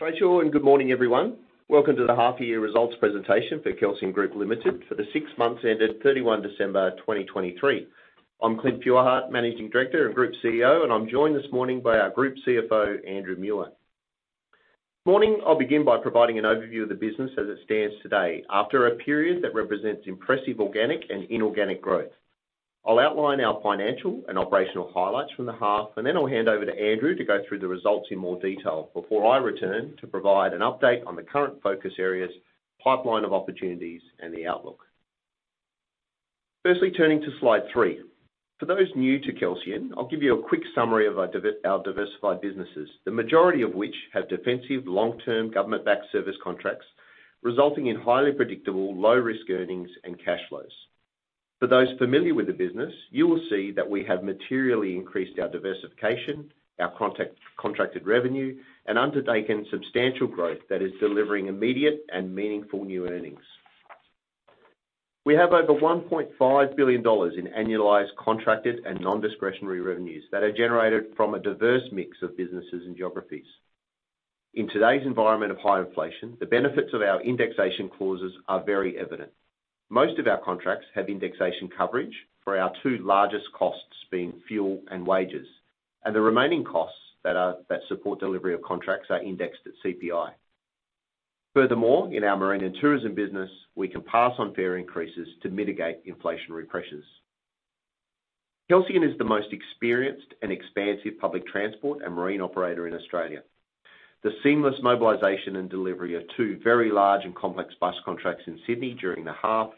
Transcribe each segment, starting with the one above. Thank you very much for your time. Thank you, and good morning, everyone. Welcome to the half-year results presentation for Kelsian Group Limited for the six months ended 31st December 2023. I'm Clint Feuerherdt, Managing Director and Group CEO, and I'm joined this morning by our Group CFO, Andrew Muir. This morning, I'll begin by providing an overview of the business as it stands today, after a period that represents impressive organic and inorganic growth. I'll outline our financial and operational highlights from the half, and then I'll hand over to Andrew to go through the results in more detail before I return to provide an update on the current focus areas, pipeline of opportunities, and the outlook. Firstly, turning to slide three. For those new to Kelsian, I'll give you a quick summary of our diversified businesses, the majority of which have defensive, long-term, government-backed service contracts resulting in highly predictable, low-risk earnings and cash flows. For those familiar with the business, you will see that we have materially increased our diversification, our contracted revenue, and undertaken substantial growth that is delivering immediate and meaningful new earnings. We have over 1.5 billion dollars in annualized, contracted, and non-discretionary revenues that are generated from a diverse mix of businesses and geographies. In today's environment of high inflation, the benefits of our indexation clauses are very evident. Most of our contracts have indexation coverage for our two largest costs being fuel and wages, and the remaining costs that support delivery of contracts are indexed at CPI. Furthermore, in our marine and tourism business, we can pass on fare increases to mitigate inflationary pressures. Kelsian is the most experienced and expansive public transport and marine operator in Australia. The seamless mobilisation and delivery of two very large and complex bus contracts in Sydney during the half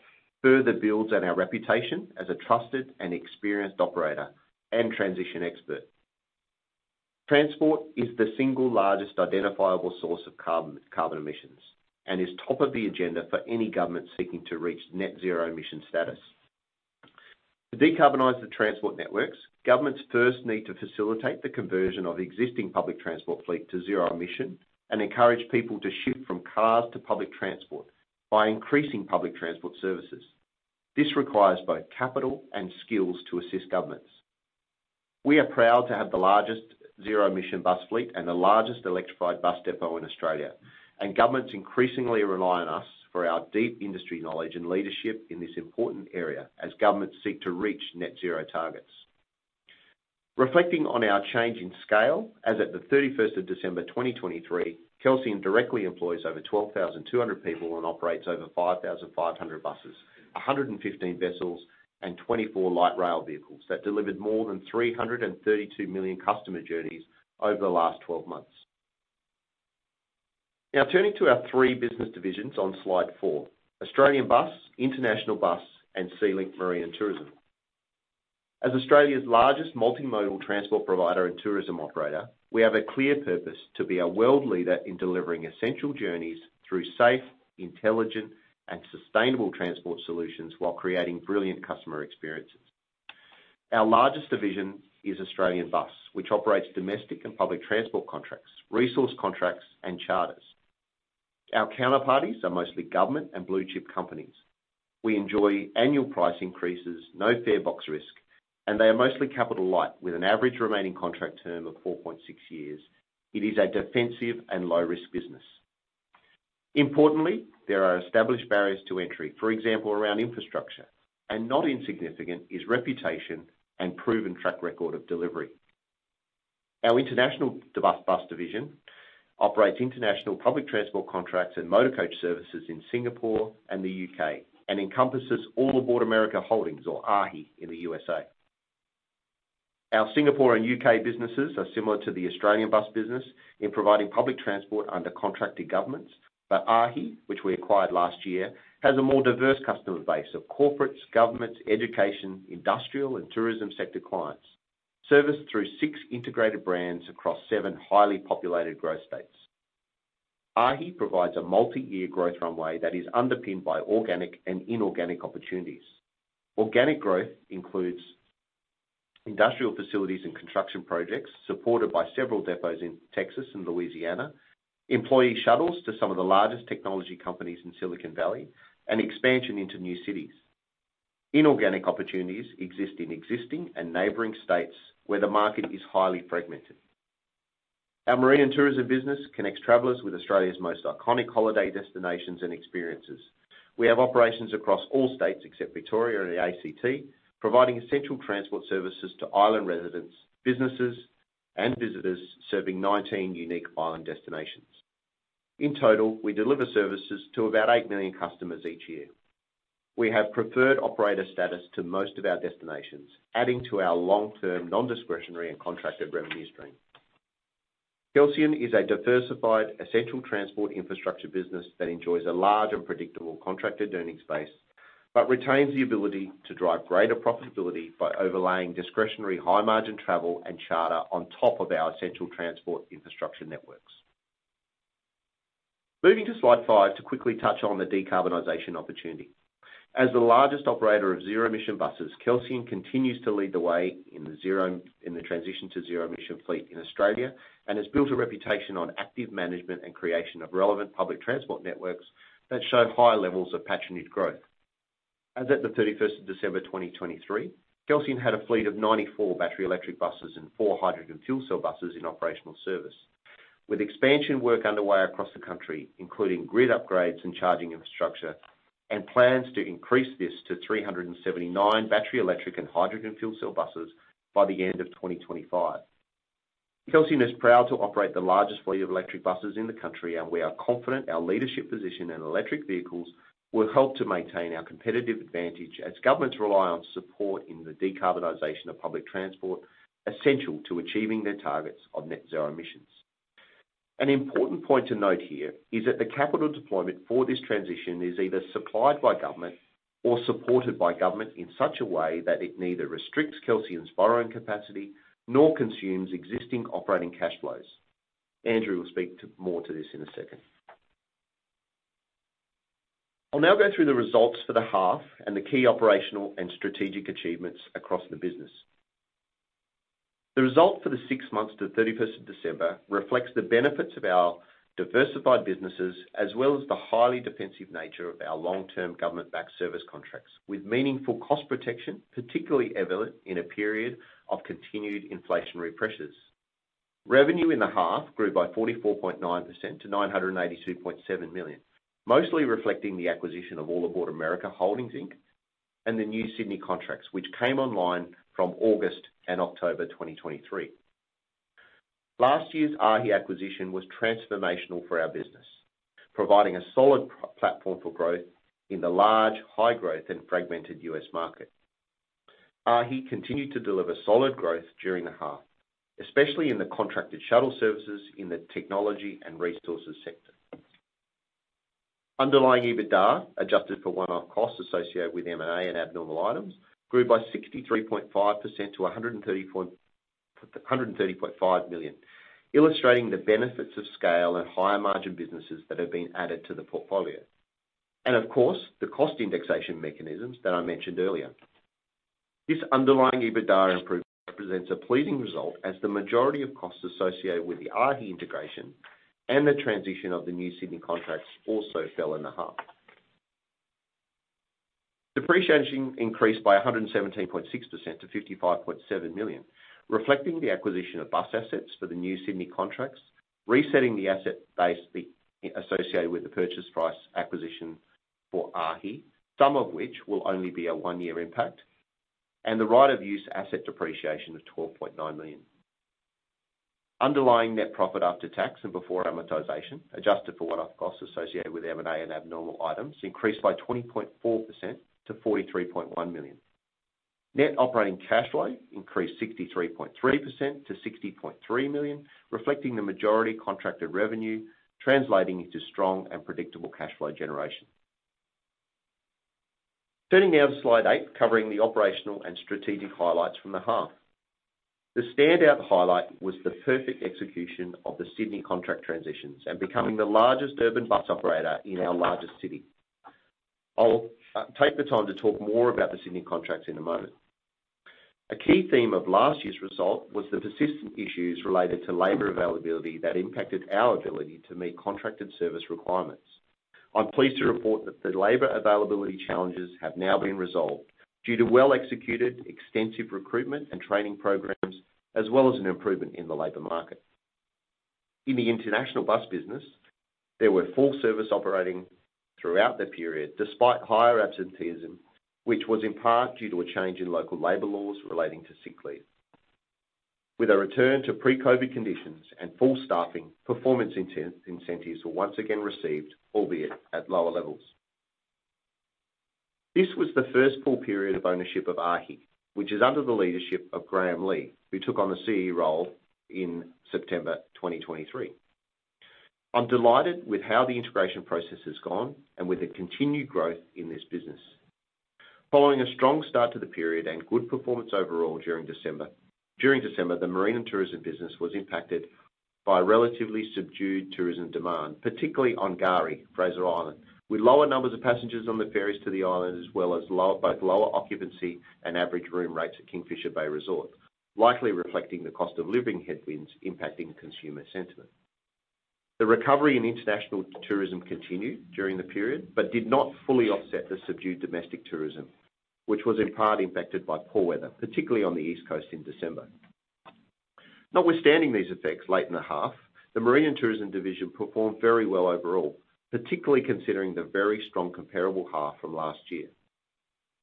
further builds on our reputation as a trusted and experienced operator and transition expert. Transport is the single largest identifiable source of carbon emissions and is top of the agenda for any government seeking to reach net-zero emission status. To decarbonise the transport networks, governments first need to facilitate the conversion of existing public transport fleet to zero-emission and encourage people to shift from cars to public transport by increasing public transport services. This requires both capital and skills to assist governments. We are proud to have the largest zero-emission bus fleet and the largest electrified bus depot in Australia, and governments increasingly rely on us for our deep industry knowledge and leadership in this important area as governments seek to reach net-zero targets. Reflecting on our change in scale, as of the 31st of December 2023, Kelsian directly employs over 12,200 people and operates over 5,500 buses, 115 vessels, and 24 light rail vehicles that delivered more than 332 million customer journeys over the last 12 months. Now, turning to our three business divisions on slide 4: Australian Bus, International Bus, and SeaLink Marine and Tourism. As Australia's largest multimodal transport provider and tourism operator, we have a clear purpose to be a world leader in delivering essential journeys through safe, intelligent, and sustainable transport solutions while creating brilliant customer experiences. Our largest division is Australian Bus, which operates domestic and public transport contracts, resource contracts, and charters. Our counterparties are mostly government and blue-chip companies. We enjoy annual price increases, no farebox risk, and they are mostly capital light with an average remaining contract term of 4.6 years. It is a defensive and low-risk business. Importantly, there are established barriers to entry, for example, around infrastructure, and not insignificant is reputation and proven track record of delivery. Our international bus division operates international public transport contracts and motor coach services in Singapore and the U.K. and encompasses All Aboard America Holdings, or AAAHI, in the U.S.A. Our Singapore and U.K. businesses are similar to the Australian Bus business in providing public transport under contracted governments, but AAAHI, which we acquired last year, has a more diverse customer base of corporates, governments, education, industrial, and tourism sector clients serviced through six integrated brands across seven highly populated growth states. AAAHI provides a multi-year growth runway that is underpinned by organic and inorganic opportunities. Organic growth includes industrial facilities and construction projects supported by several depots in Texas and Louisiana, employee shuttles to some of the largest technology companies in Silicon Valley, and expansion into new cities. Inorganic opportunities exist in existing and neighboring states where the market is highly fragmented. Our marine and tourism business connects travelers with Australia's most iconic holiday destinations and experiences. We have operations across all states except Victoria and the ACT, providing essential transport services to island residents, businesses, and visitors serving 19 unique island destinations. In total, we deliver services to about 8 million customers each year. We have preferred operator status to most of our destinations, adding to our long-term non-discretionary and contracted revenue stream. Kelsian is a diversified essential transport infrastructure business that enjoys a large and predictable contracted earnings base but retains the ability to drive greater profitability by overlaying discretionary high-margin travel and charter on top of our essential transport infrastructure networks. Moving to slide 5 to quickly touch on the decarbonization opportunity. As the largest operator of zero-emission buses, Kelsian continues to lead the way in the transition to zero-emission fleet in Australia and has built a reputation on active management and creation of relevant public transport networks that show high levels of patronage growth. As of the 31st of December 2023, Kelsian had a fleet of 94 battery electric buses and 4 hydrogen fuel cell buses in operational service, with expansion work underway across the country, including grid upgrades and charging infrastructure, and plans to increase this to 379 battery electric and hydrogen fuel cell buses by the end of 2025. Kelsian is proud to operate the largest fleet of electric buses in the country, and we are confident our leadership position in electric vehicles will help to maintain our competitive advantage as governments rely on support in the decarbonization of public transport essential to achieving their targets of net-zero emissions. An important point to note here is that the capital deployment for this transition is either supplied by government or supported by government in such a way that it neither restricts Kelsian's borrowing capacity nor consumes existing operating cash flows. Andrew will speak more to this in a second. I'll now go through the results for the half and the key operational and strategic achievements across the business. The result for the six months to the 31st of December reflects the benefits of our diversified businesses as well as the highly defensive nature of our long-term government-backed service contracts, with meaningful cost protection particularly evident in a period of continued inflationary pressures. Revenue in the half grew by 44.9% to 982.7 million, mostly reflecting the acquisition of All Aboard America! Holdings, Inc., and the new Sydney contracts, which came online from August and October 2023. Last year's AAAHI acquisition was transformational for our business, providing a solid platform for growth in the large, high-growth, and fragmented U.S. market. AAAHI continued to deliver solid growth during the half, especially in the contracted shuttle services in the technology and resources sector. Underlying EBITDA, adjusted for one-off costs associated with M&A and abnormal items, grew by 63.5% to 130.5 million, illustrating the benefits of scale and higher-margin businesses that have been added to the portfolio, and of course, the cost indexation mechanisms that I mentioned earlier. This underlying EBITDA improvement represents a pleasing result as the majority of costs associated with the AAAHI integration and the transition of the new Sydney contracts also fell in the half. Depreciation increased by 117.6% to 55.7 million, reflecting the acquisition of bus assets for the new Sydney contracts, resetting the asset base associated with the purchase price acquisition for AAAHI, some of which will only be a one-year impact, and the right-of-use asset depreciation of 12.9 million. Underlying net profit after tax and before amortisation, adjusted for one-off costs associated with M&A and abnormal items, increased by 20.4% to 43.1 million. Net operating cash flow increased 63.3% to 60.3 million, reflecting the majority contracted revenue, translating into strong and predictable cash flow generation. Turning now to slide 8, covering the operational and strategic highlights from the half. The standout highlight was the perfect execution of the Sydney contract transitions and becoming the largest urban bus operator in our largest city. I'll take the time to talk more about the Sydney contracts in a moment. A key theme of last year's result was the persistent issues related to labor availability that impacted our ability to meet contracted service requirements. I'm pleased to report that the labor availability challenges have now been resolved due to well-executed, extensive recruitment and training programs, as well as an improvement in the labor market. In the international bus business, there were full-service operating throughout the period despite higher absenteeism, which was in part due to a change in local labor laws relating to sick leave. With a return to pre-COVID conditions and full-staffing, performance incentives were once again received, albeit at lower levels. This was the first full period of ownership of AAAHI, which is under the leadership of Graeme Legh, who took on the CE role in September 2023. I'm delighted with how the integration process has gone and with the continued growth in this business. Following a strong start to the period and good performance overall during December, the marine and tourism business was impacted by relatively subdued tourism demand, particularly on K'gari, Fraser Island, with lower numbers of passengers on the ferries to the island as well as both lower occupancy and average room rates at Kingfisher Bay Resort, likely reflecting the cost-of-living headwinds impacting consumer sentiment. The recovery in international tourism continued during the period but did not fully offset the subdued domestic tourism, which was in part impacted by poor weather, particularly on the East Coast in December. Notwithstanding these effects late in the half, the marine and tourism division performed very well overall, particularly considering the very strong comparable half from last year.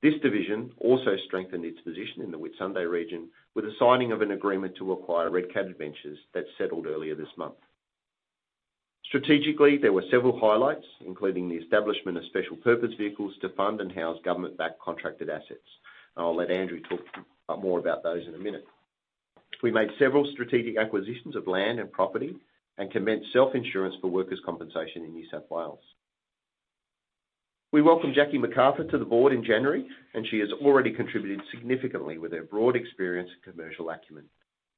This division also strengthened its position in the Whitsunday region with the signing of an agreement to acquire Red Cat Adventures that settled earlier this month. Strategically, there were several highlights, including the establishment of special-purpose vehicles to fund and house government-backed contracted assets, and I'll let Andrew talk more about those in a minute. We made several strategic acquisitions of land and property and commenced self-insurance for workers' compensation in New South Wales. We welcomed Jacqueline McArthur to the board in January, and she has already contributed significantly with her broad experience and commercial acumen.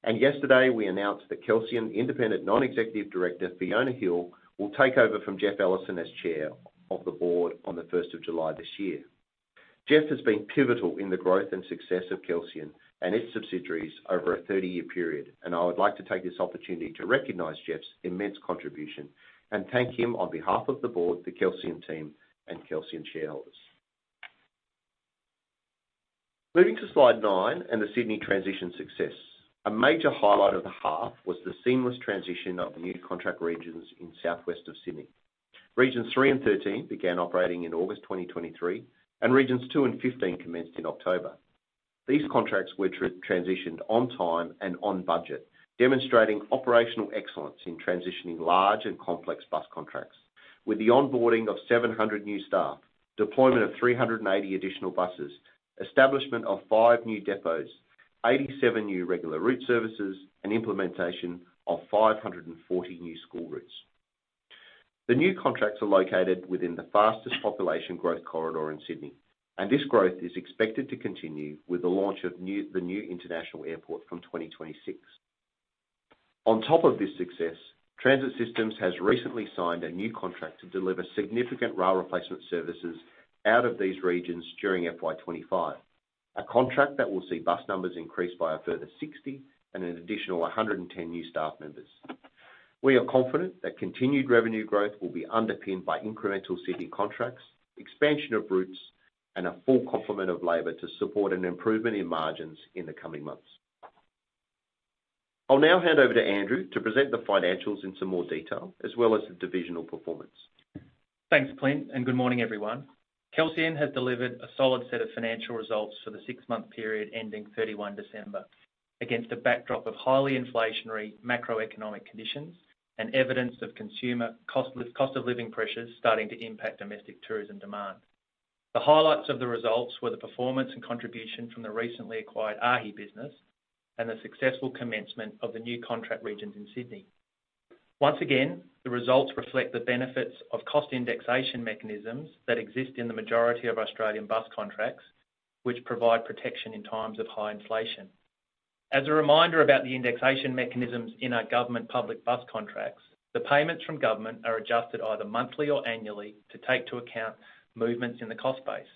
Yesterday, we announced that Kelsian independent non-executive director Fiona Hele will take over from Jeff Ellison as chair of the board on the 1st of July this year. Jeff has been pivotal in the growth and success of Kelsian and its subsidiaries over a 30-year period, and I would like to take this opportunity to recognise Jeff's immense contribution and thank him on behalf of the board, the Kelsian team, and Kelsian shareholders. Moving to slide 9 and the Sydney transition success. A major highlight of the half was the seamless transition of the new contract regions in southwest of Sydney. Regions 3 and 13 began operating in August 2023, and Regions 2 and 15 commenced in October. These contracts were transitioned on time and on budget, demonstrating operational excellence in transitioning large and complex bus contracts, with the onboarding of 700 new staff, deployment of 380 additional buses, establishment of five new depots, 87 new regular route services, and implementation of 540 new school routes. The new contracts are located within the fastest population growth corridor in Sydney, and this growth is expected to continue with the launch of the new international airport from 2026. On top of this success, Transit Systems has recently signed a new contract to deliver significant rail replacement services out of these regions during FY25, a contract that will see bus numbers increase by a further 60 and an additional 110 new staff members. We are confident that continued revenue growth will be underpinned by incremental Sydney contracts, expansion of routes, and a full complement of labour to support an improvement in margins in the coming months. I'll now hand over to Andrew to present the financials in some more detail as well as the divisional performance. Thanks, Clint, and good morning, everyone. Kelsian has delivered a solid set of financial results for the six-month period ending 31 December against a backdrop of highly inflationary macroeconomic conditions and evidence of cost-of-living pressures starting to impact domestic tourism demand. The highlights of the results were the performance and contribution from the recently acquired AAAHI business and the successful commencement of the new contract regions in Sydney. Once again, the results reflect the benefits of cost indexation mechanisms that exist in the majority of Australian bus contracts, which provide protection in times of high inflation. As a reminder about the indexation mechanisms in our government public bus contracts, the payments from government are adjusted either monthly or annually to take into account movements in the cost base.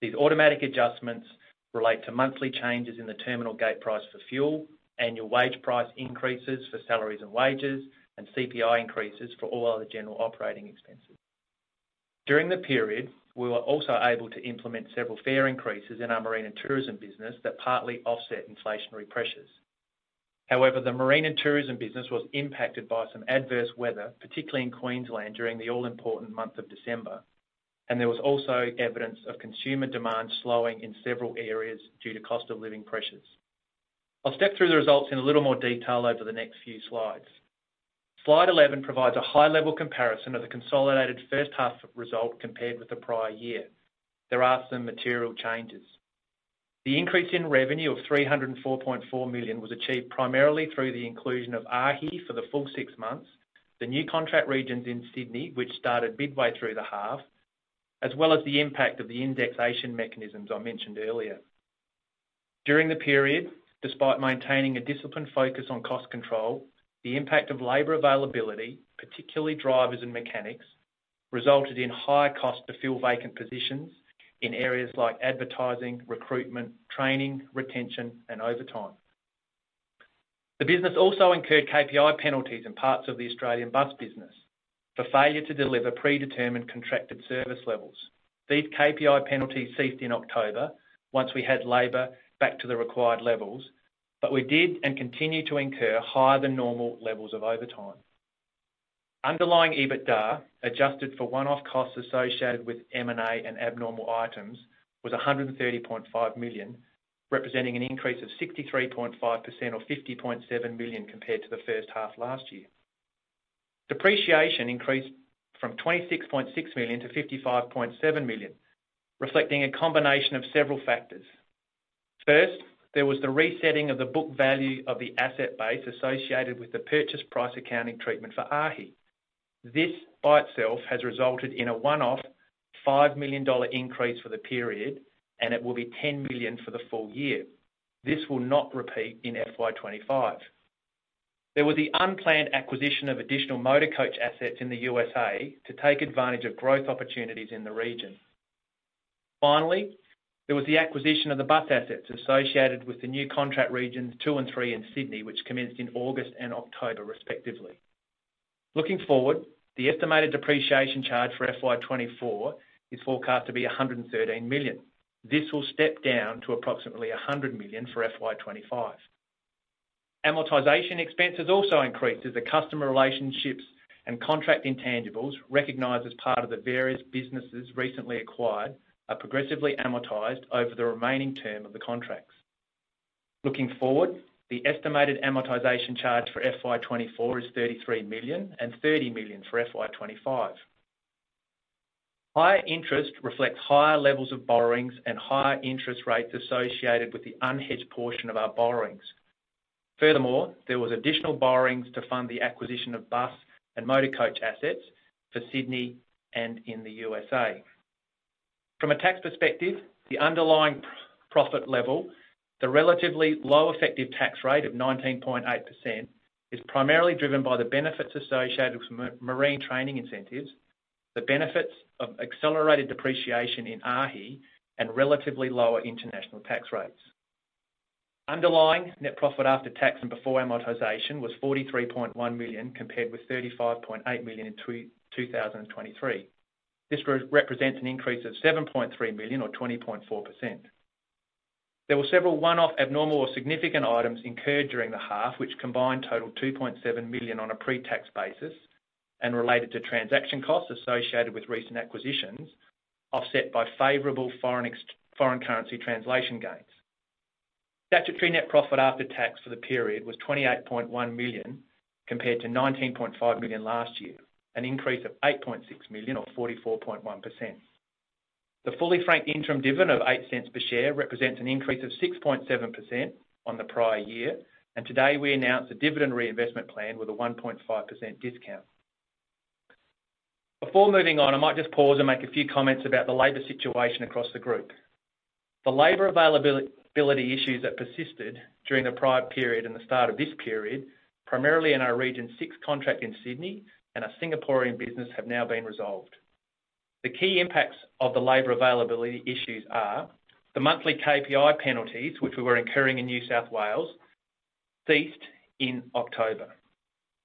These automatic adjustments relate to monthly changes in the Terminal Gate Price for fuel, annual wage price increases for salaries and wages, and CPI increases for all other general operating expenses. During the period, we were also able to implement several fare increases in our marine and tourism business that partly offset inflationary pressures. However, the marine and tourism business was impacted by some adverse weather, particularly in Queensland during the all-important month of December, and there was also evidence of consumer demand slowing in several areas due to cost-of-living pressures. I'll step through the results in a little more detail over the next few slides. Slide 11 provides a high-level comparison of the consolidated first-half result compared with the prior year. There are some material changes. The increase in revenue of 304.4 million was achieved primarily through the inclusion of AAAHI for the full six months, the new contract regions in Sydney, which started midway through the half, as well as the impact of the indexation mechanisms I mentioned earlier. During the period, despite maintaining a disciplined focus on cost control, the impact of labor availability, particularly drivers and mechanics, resulted in high cost to fill vacant positions in areas like advertising, recruitment, training, retention, and overtime. The business also incurred KPI Penalties in parts of the Australian bus business for failure to deliver predetermined contracted service levels. These KPI Penalties ceased in October once we had labor back to the required levels, but we did and continue to incur higher-than-normal levels of overtime. Underlying EBITDA, adjusted for one-off costs associated with M&A and abnormal items, was 130.5 million, representing an increase of 63.5% or 50.7 million compared to the first half last year. Depreciation increased from 26.6 million to 55.7 million, reflecting a combination of several factors. First, there was the resetting of the book value of the asset base associated with the purchase price accounting treatment for AAAHI. This by itself has resulted in a one-off 5 million dollar increase for the period, and it will be 10 million for the full year. This will not repeat in FY25. There was the unplanned acquisition of additional motor coach assets in the U.S.A. to take advantage of growth opportunities in the region. Finally, there was the acquisition of the bus assets associated with the new contract Regions 2 and 3 in Sydney, which commenced in August and October, respectively. Looking forward, the estimated depreciation charge for FY24 is forecast to be 113 million. This will step down to approximately 100 million for FY25. Amortization expenses also increased as the customer relationships and contract intangibles recognized as part of the various businesses recently acquired are progressively amortized over the remaining term of the contracts. Looking forward, the estimated amortization charge for FY24 is 33 million and 30 million for FY25. Higher interest reflects higher levels of borrowings and higher interest rates associated with the unhedged portion of our borrowings. Furthermore, there were additional borrowings to fund the acquisition of bus and motor coach assets for Sydney and in the U.S.A.. From a tax perspective, the underlying profit level, the relatively low effective tax rate of 19.8%, is primarily driven by the benefits associated with marine training incentives, the benefits of accelerated depreciation in AAAHI, and relatively lower international tax rates. Underlying net profit after tax and before amortization was 43.1 million compared with 35.8 million in 2023. This represents an increase of 7.3 million or 20.4%. There were several one-off abnormal or significant items incurred during the half which combined totaled 2.7 million on a pre-tax basis and related to transaction costs associated with recent acquisitions offset by favorable foreign currency translation gains. Statutory net profit after tax for the period was 28.1 million compared to 19.5 million last year, an increase of 8.6 million or 44.1%. The fully franked interim dividend of 0.08 per share represents an increase of 6.7% on the prior year, and today we announced a dividend reinvestment plan with a 1.5% discount. Before moving on, I might just pause and make a few comments about the labor situation across the group. The labor availability issues that persisted during the prior period and the start of this period, primarily in our Region 6 contract in Sydney and our Singaporean business, have now been resolved. The key impacts of the labor availability issues are the monthly KPI penalties which we were incurring in New South Wales ceased in October.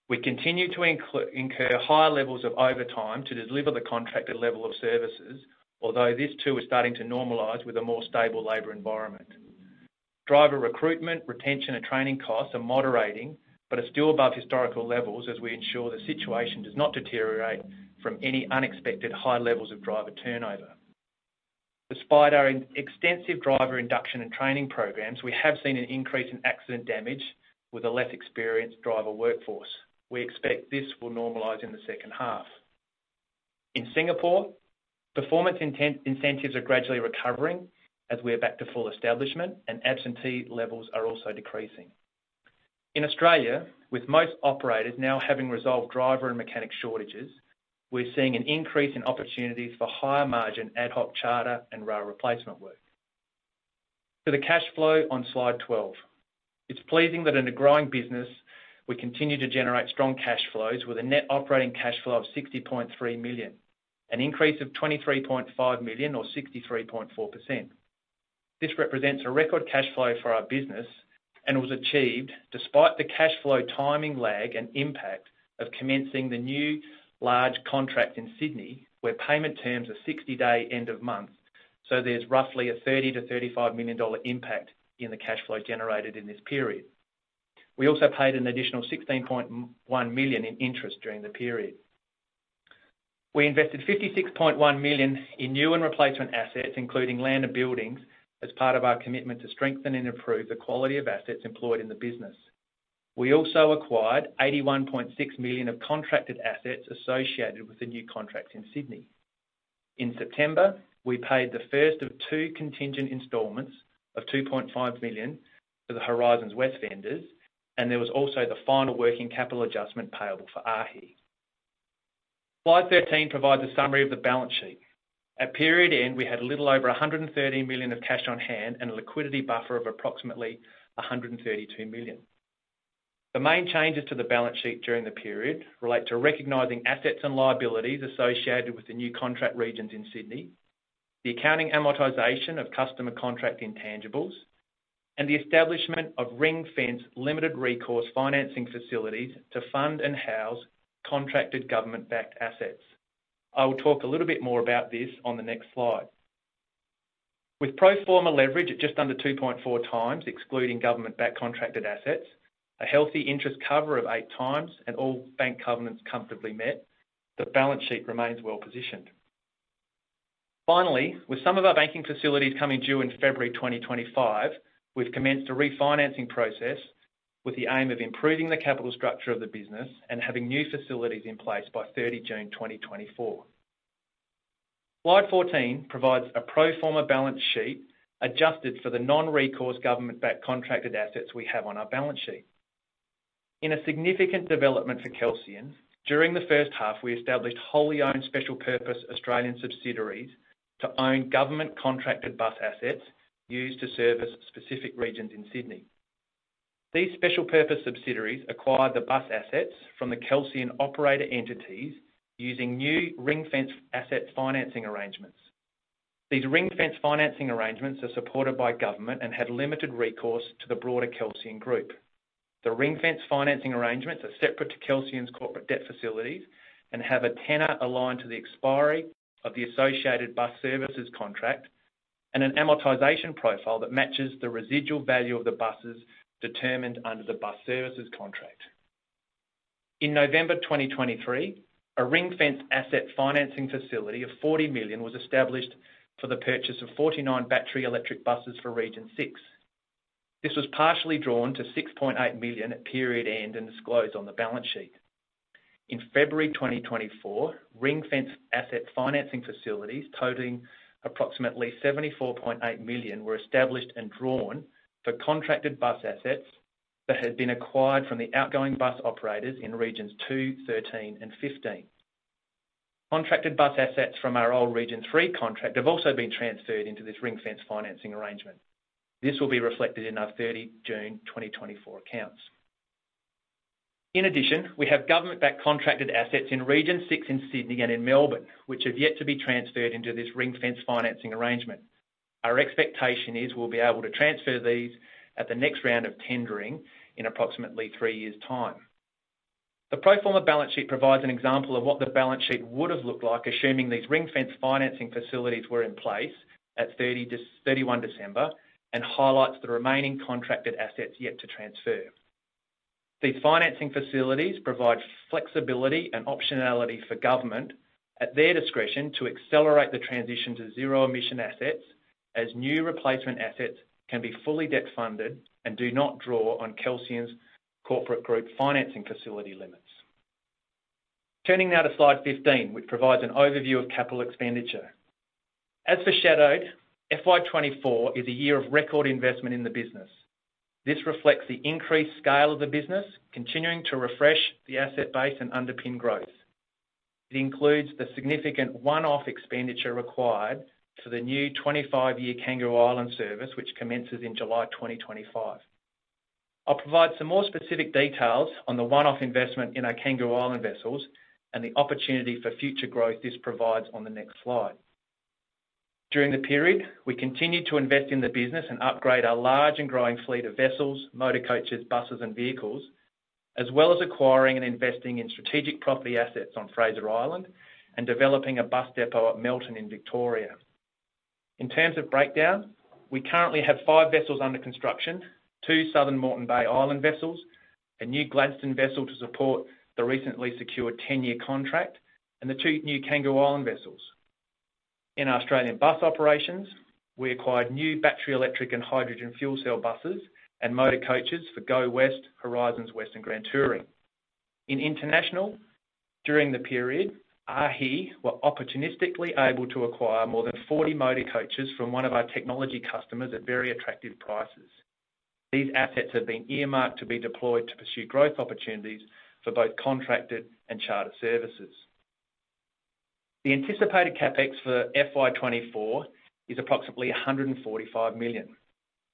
We continue to incur higher levels of overtime to deliver the contracted level of services, although this too is starting to normalize with a more stable labor environment. Driver recruitment, retention, and training costs are moderating but are still above historical levels as we ensure the situation does not deteriorate from any unexpected high levels of driver turnover. Despite our extensive driver induction and training programs, we have seen an increase in accident damage with a less experienced driver workforce. We expect this will normalize in the second half. In Singapore, performance incentives are gradually recovering as we are back to full establishment, and absentee levels are also decreasing. In Australia, with most operators now having resolved driver and mechanic shortages, we're seeing an increase in opportunities for higher-margin ad hoc charter and rail replacement work. To the cash flow on slide 12. It's pleasing that in a growing business, we continue to generate strong cash flows with a net operating cash flow of 60.3 million, an increase of 23.5 million or 63.4%. This represents a record cash flow for our business and was achieved despite the cash flow timing lag and impact of commencing the new large contract in Sydney where payment terms are 60-day end of month, so there's roughly a 30 million-35 million dollar impact in the cash flow generated in this period. We also paid an additional 16.1 million in interest during the period. We invested 56.1 million in new and replacement assets, including land and buildings, as part of our commitment to strengthen and improve the quality of assets employed in the business. We also acquired 81.6 million of contracted assets associated with the new contracts in Sydney. In September, we paid the first of two contingent installments of 2.5 million to the Horizons West vendors, and there was also the final working capital adjustment payable for AAAHI. Slide 13 provides a summary of the balance sheet. At period end, we had a little over 113 million of cash on hand and a liquidity buffer of approximately 132 million. The main changes to the balance sheet during the period relate to recognizing assets and liabilities associated with the new contract regions in Sydney, the accounting amortization of customer contract intangibles, and the establishment of ring-fenced limited recourse financing facilities to fund and house contracted government-backed assets. I will talk a little bit more about this on the next slide. With pro forma leverage at just under 2.4 times excluding government-backed contracted assets, a healthy interest cover of 8 times, and all bank covenants comfortably met, the balance sheet remains well positioned. Finally, with some of our banking facilities coming due in February 2025, we've commenced a refinancing process with the aim of improving the capital structure of the business and having new facilities in place by 30 June 2024. Slide 14 provides a pro forma balance sheet adjusted for the non-recourse government-backed contracted assets we have on our balance sheet. In a significant development for Kelsian, during the first half, we established wholly-owned special-purpose Australian subsidiaries to own government contracted bus assets used to service specific regions in Sydney. These special-purpose subsidiaries acquired the bus assets from the Kelsian operator entities using new ring-fenced financing arrangements. These ring-fenced financing arrangements are supported by government and have limited recourse to the broader Kelsian Group. The ring-fenced financing arrangements are separate to Kelsian's corporate debt facilities and have a tenor aligned to the expiry of the associated bus services contract and an amortization profile that matches the residual value of the buses determined under the bus services contract. In November 2023, a ring-fenced asset financing facility of 40 million was established for the purchase of 49 battery electric buses for Region 6. This was partially drawn to 6.8 million at period end and disclosed on the balance sheet. In February 2024, ring-fenced asset financing facilities totaling approximately 74.8 million were established and drawn for contracted bus assets that had been acquired from the outgoing bus operators in Regions 2, 13, and 15. Contracted bus assets from our old Region 3 contract have also been transferred into this ring-fenced financing arrangement. This will be reflected in our 30 June 2024 accounts. In addition, we have government-backed contracted assets in Region 6 in Sydney and in Melbourne which have yet to be transferred into this ring-fenced financing arrangement. Our expectation is we'll be able to transfer these at the next round of tendering in approximately three years' time. The pro forma balance sheet provides an example of what the balance sheet would have looked like assuming these ring-fenced financing facilities were in place at 31 December and highlights the remaining contracted assets yet to transfer. These financing facilities provide flexibility and optionality for government at their discretion to accelerate the transition to zero-emission assets as new replacement assets can be fully debt-funded and do not draw on Kelsian's corporate group financing facility limits. Turning now to slide 15 which provides an overview of capital expenditure. As foreshadowed, FY24 is a year of record investment in the business. This reflects the increased scale of the business continuing to refresh the asset base and underpin growth. It includes the significant one-off expenditure required for the new 25-year Kangaroo Island service which commences in July 2025. I'll provide some more specific details on the one-off investment in our Kangaroo Island vessels and the opportunity for future growth this provides on the next slide. During the period, we continue to invest in the business and upgrade our large and growing fleet of vessels, motor coaches, buses, and vehicles, as well as acquiring and investing in strategic property assets on Fraser Island and developing a bus depot at Melton in Victoria. In terms of breakdown, we currently have five vessels under construction, two Southern Moreton Bay Islands vessels, a new Gladstone vessel to support the recently secured 10-year contract, and the two new Kangaroo Island vessels. In Australian bus operations, we acquired new battery electric and hydrogen fuel cell buses and motor coaches for Go West, Horizons West, and Grand Touring. In international, during the period, AAAHI were opportunistically able to acquire more than 40 motor coaches from one of our technology customers at very attractive prices. These assets have been earmarked to be deployed to pursue growth opportunities for both contracted and charter services. The anticipated CapEx for FY24 is approximately 145 million.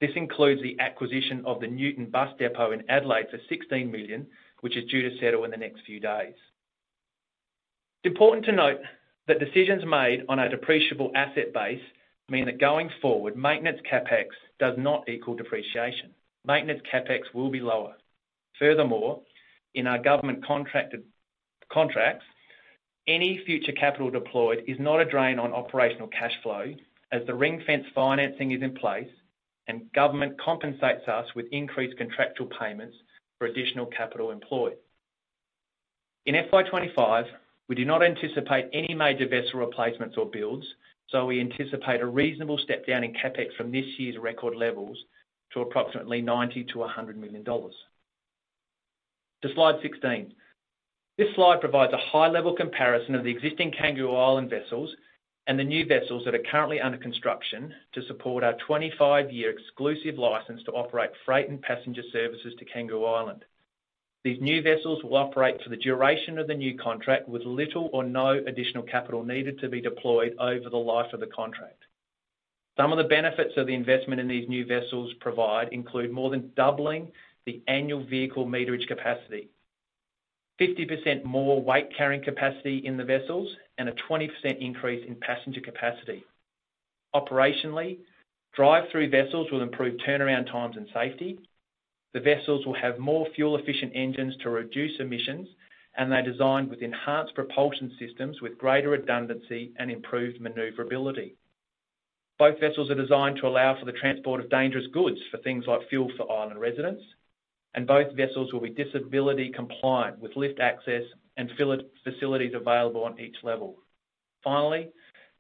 This includes the acquisition of the Newton bus depot in Adelaide for 16 million which is due to settle in the next few days. It's important to note that decisions made on our depreciable asset base mean that going forward, maintenance CapEx does not equal depreciation. Maintenance CapEx will be lower. Furthermore, in our government contract contracts, any future capital deployed is not a drain on operational cash flow as the ring-fenced financing is in place and government compensates us with increased contractual payments for additional capital employed. In FY25, we do not anticipate any major vessel replacements or builds, so we anticipate a reasonable step down in CapEx from this year's record levels to approximately 90 million-100 million dollars. To Slide 16. This slide provides a high-level comparison of the existing Kangaroo Island vessels and the new vessels that are currently under construction to support our 25-year exclusive license to operate freight and passenger services to Kangaroo Island. These new vessels will operate for the duration of the new contract with little or no additional capital needed to be deployed over the life of the contract. Some of the benefits that the investment in these new vessels provide include more than doubling the annual vehicle mileage capacity, 50% more weight-carrying capacity in the vessels, and a 20% increase in passenger capacity. Operationally, drive-through vessels will improve turnaround times and safety. The vessels will have more fuel-efficient engines to reduce emissions, and they're designed with enhanced propulsion systems with greater redundancy and improved maneuverability. Both vessels are designed to allow for the transport of dangerous goods for things like fuel for island residents, and both vessels will be disability compliant with lift access and toilet facilities available on each level. Finally,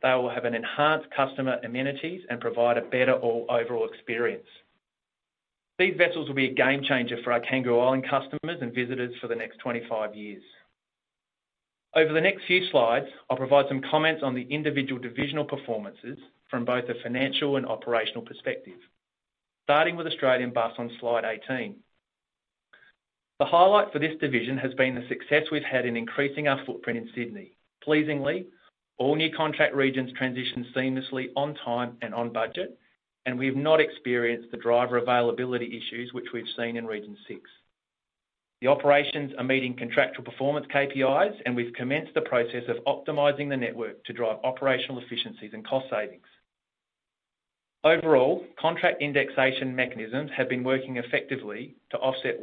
they will have enhanced customer amenities and provide a better overall experience. These vessels will be a game-changer for our Kangaroo Island customers and visitors for the next 25 years. Over the next few slides, I'll provide some comments on the individual divisional performances from both a financial and operational perspective, starting with Australian bus on slide 18. The highlight for this division has been the success we've had in increasing our footprint in Sydney. Pleasingly, all new contract regions transition seamlessly on time and on budget, and we have not experienced the driver availability issues which we've seen in Region 6. The operations are meeting contractual performance KPIs, and we've commenced the process of optimizing the network to drive operational efficiencies and cost savings. Overall, contract indexation mechanisms have been working effectively to offset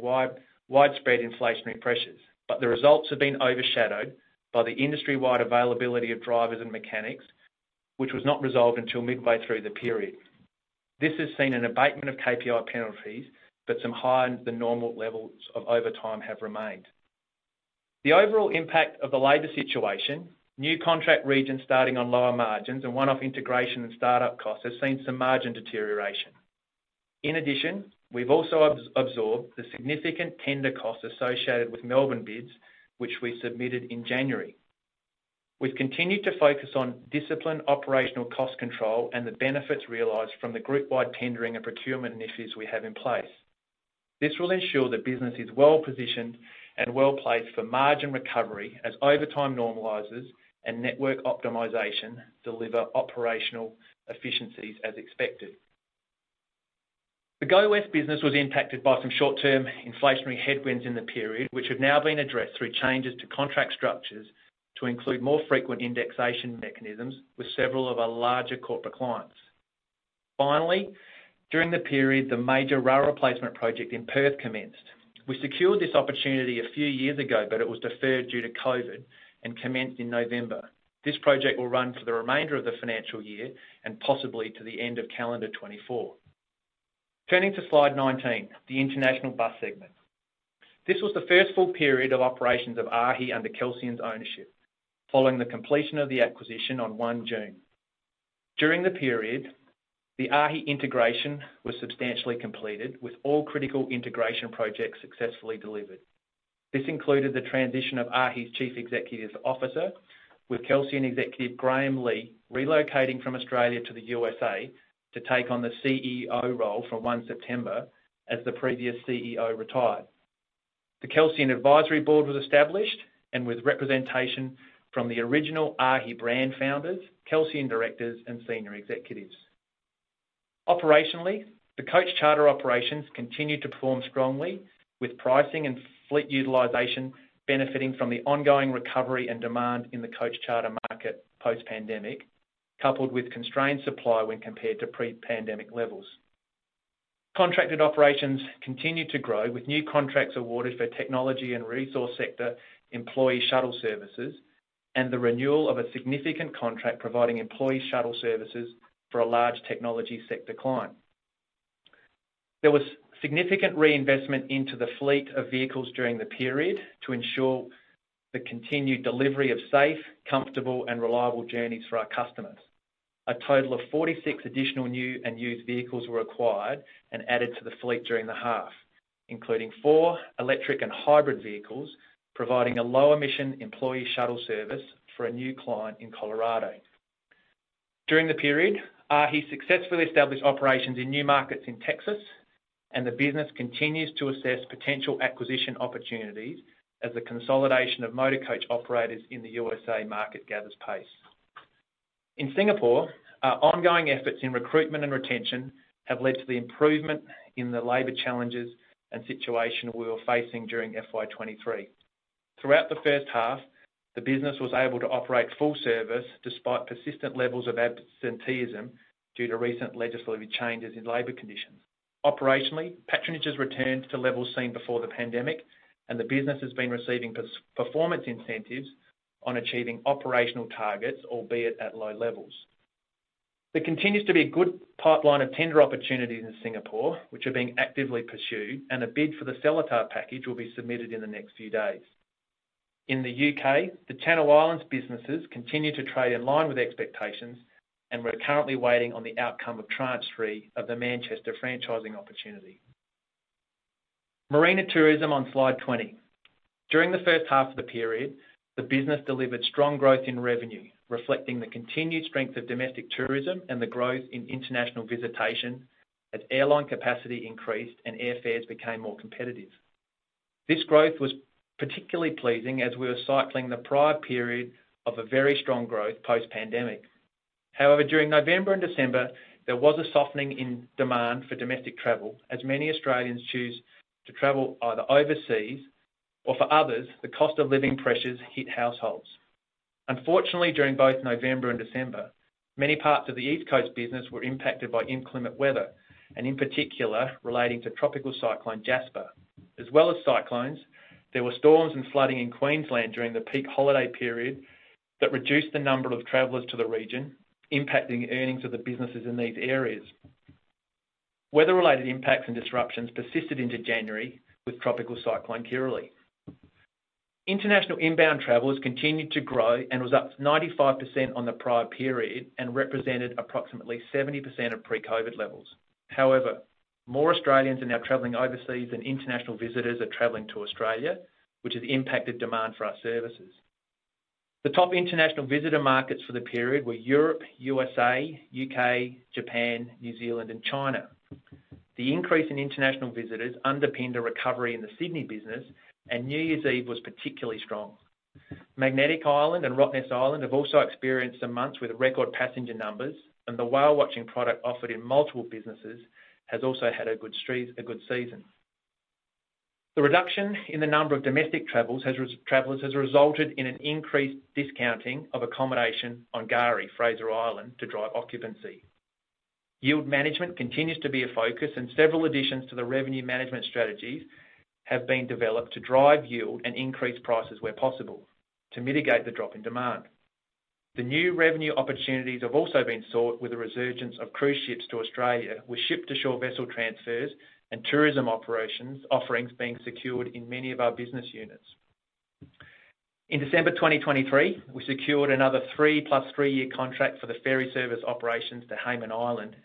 widespread inflationary pressures, but the results have been overshadowed by the industry-wide availability of drivers and mechanics which was not resolved until midway through the period. This has seen an abatement of KPI penalties, but some higher than normal levels of overtime have remained. The overall impact of the labor situation, new contract regions starting on lower margins, and one-off integration and startup costs has seen some margin deterioration. In addition, we've also absorbed the significant tender costs associated with Melbourne bids which we submitted in January. We've continued to focus on disciplined operational cost control and the benefits realized from the group-wide tendering and procurement initiatives we have in place. This will ensure the business is well positioned and well placed for margin recovery as overtime normalizes and network optimization deliver operational efficiencies as expected. The Go West business was impacted by some short-term inflationary headwinds in the period which have now been addressed through changes to contract structures to include more frequent indexation mechanisms with several of our larger corporate clients. Finally, during the period, the major rail replacement project in Perth commenced. We secured this opportunity a few years ago, but it was deferred due to COVID and commenced in November. This project will run for the remainder of the financial year and possibly to the end of calendar 2024. Turning to slide 19, the international bus segment. This was the first full period of operations of AAAHI under Kelsian's ownership following the completion of the acquisition on 1 June. During the period, the AAAHI integration was substantially completed with all critical integration projects successfully delivered. This included the transition of AAAHI's chief executive officer with Kelsian executive Graeme Legh relocating from Australia to the U.S.A. to take on the CEO role from 1 September as the previous CEO retired. The Kelsian advisory board was established and with representation from the original AAAHI brand founders, Kelsian directors, and senior executives. Operationally, the coach charter operations continue to perform strongly with pricing and fleet utilization benefiting from the ongoing recovery and demand in the coach charter market post-pandemic coupled with constrained supply when compared to pre-pandemic levels. Contracted operations continue to grow with new contracts awarded for technology and resource sector employee shuttle services and the renewal of a significant contract providing employee shuttle services for a large technology sector client. There was significant reinvestment into the fleet of vehicles during the period to ensure the continued delivery of safe, comfortable, and reliable journeys for our customers. A total of 46 additional new and used vehicles were acquired and added to the fleet during the half including 4 electric and hybrid vehicles providing a low-emission employee shuttle service for a new client in Colorado. During the period, AAAHI successfully established operations in new markets in Texas, and the business continues to assess potential acquisition opportunities as the consolidation of motor coach operators in the U.S.A. market gathers pace. In Singapore, our ongoing efforts in recruitment and retention have led to the improvement in the labor challenges and situation we were facing during FY23. Throughout the first half, the business was able to operate full service despite persistent levels of absenteeism due to recent legislative changes in labor conditions. Operationally, patronage has returned to levels seen before the pandemic, and the business has been receiving performance incentives on achieving operational targets albeit at low levels. There continues to be a good pipeline of tender opportunities in Singapore which are being actively pursued, and a bid for the Seletar package will be submitted in the next few days. In the U.K., the Channel Islands businesses continue to trade in line with expectations, and we're currently waiting on the outcome of tranche three of the Manchester franchising opportunity. Marine tourism on slide 20. During the first half of the period, the business delivered strong growth in revenue reflecting the continued strength of domestic tourism and the growth in international visitation as airline capacity increased and airfares became more competitive. This growth was particularly pleasing as we were cycling the prior period of a very strong growth post-pandemic. However, during November and December, there was a softening in demand for domestic travel as many Australians choose to travel either overseas or for others, the cost of living pressures hit households. Unfortunately, during both November and December, many parts of the East Coast business were impacted by inclement weather and in particular relating to Tropical Cyclone Jasper. As well as cyclones, there were storms and flooding in Queensland during the peak holiday period that reduced the number of travelers to the region, impacting earnings of the businesses in these areas. Weather-related impacts and disruptions persisted into January with Tropical Cyclone Kirrily. International inbound travelers continued to grow and was up 95% on the prior period and represented approximately 70% of pre-COVID levels. However, more Australians are now traveling overseas than international visitors are traveling to Australia, which has impacted demand for our services. The top international visitor markets for the period were Europe, U.S.A., U.K., Japan, New Zealand, and China. The increase in international visitors underpinned a recovery in the Sydney business, and New Year's Eve was particularly strong. Magnetic Island and Rottnest Island have also experienced some months with record passenger numbers, and the whale watching product offered in multiple businesses has also had a good season. The reduction in the number of domestic travelers has resulted in an increased discounting of accommodation on K'gari, Fraser Island, to drive occupancy. Yield management continues to be a focus, and several additions to the revenue management strategies have been developed to drive yield and increase prices where possible to mitigate the drop in demand. The new revenue opportunities have also been sought with a resurgence of cruise ships to Australia with ship-to-shore vessel transfers and tourism operations offerings being secured in many of our business units. In December 2023, we secured another three-plus-three-year contract for the ferry service operations to Hayman Island,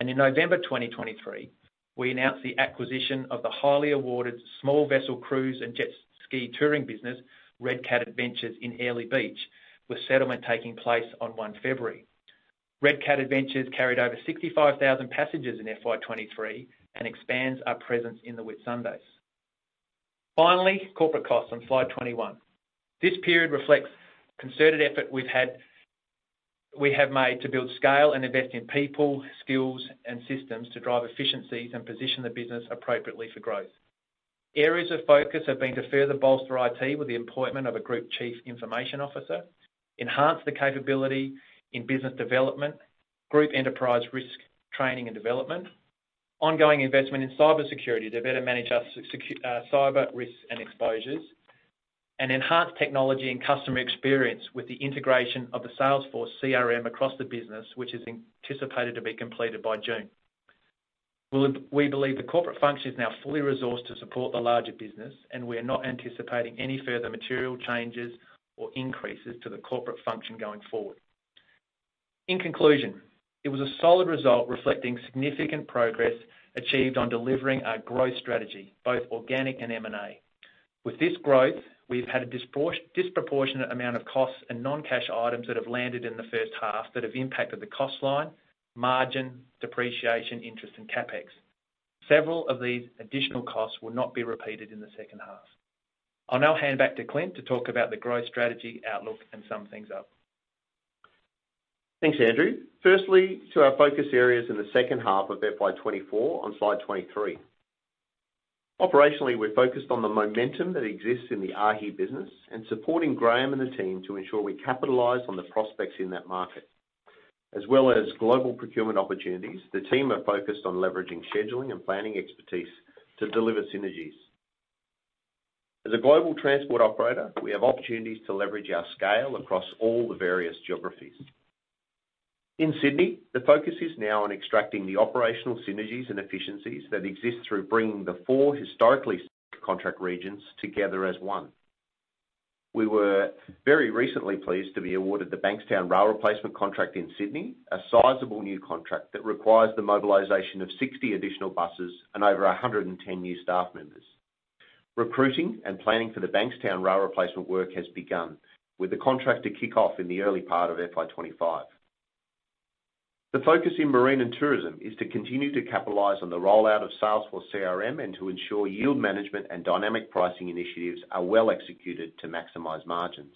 and in November 2023, we announced the acquisition of the highly awarded small vessel cruise and jet ski touring business Red Cat Adventures in Airlie Beach with settlement taking place on 1 February. Red Cat Adventures carried over 65,000 passengers in FY23 and expands our presence in the Whitsundays. Finally, corporate costs on slide 21. This period reflects concerted effort we've made to build scale and invest in people, skills, and systems to drive efficiencies and position the business appropriately for growth. Areas of focus have been to further bolster IT with the appointment of a Group Chief Information Officer, enhance the capability in business development, group enterprise risk training and development, ongoing investment in cybersecurity to better manage our cyber risks and exposures, and enhance technology and customer experience with the integration of the Salesforce CRM across the business which is anticipated to be completed by June. We believe the corporate function is now fully resourced to support the larger business, and we are not anticipating any further material changes or increases to the corporate function going forward. In conclusion, it was a solid result reflecting significant progress achieved on delivering our growth strategy both organic and M&A. With this growth, we've had a disproportionate amount of costs and non-cash items that have landed in the first half that have impacted the cost line, margin, depreciation, interest, and CapEx. Several of these additional costs will not be repeated in the second half. I'll now hand back to Clint to talk about the growth strategy outlook and sum things up. Thanks, Andrew. Firstly, to our focus areas in the second half of FY24 on slide 23. Operationally, we're focused on the momentum that exists in the AAAHI business and supporting Graeme and the team to ensure we capitalize on the prospects in that market. As well as global procurement opportunities, the team are focused on leveraging scheduling and planning expertise to deliver synergies. As a global transport operator, we have opportunities to leverage our scale across all the various geographies. In Sydney, the focus is now on extracting the operational synergies and efficiencies that exist through bringing the four historically contract regions together as one. We were very recently pleased to be awarded the Bankstown rail replacement contract in Sydney, a sizable new contract that requires the mobilization of 60 additional buses and over 110 new staff members. Recruiting and planning for the Bankstown rail replacement work has begun with the contract to kick off in the early part of FY25. The focus in marine and tourism is to continue to capitalize on the rollout of Salesforce CRM and to ensure yield management and dynamic pricing initiatives are well executed to maximize margins.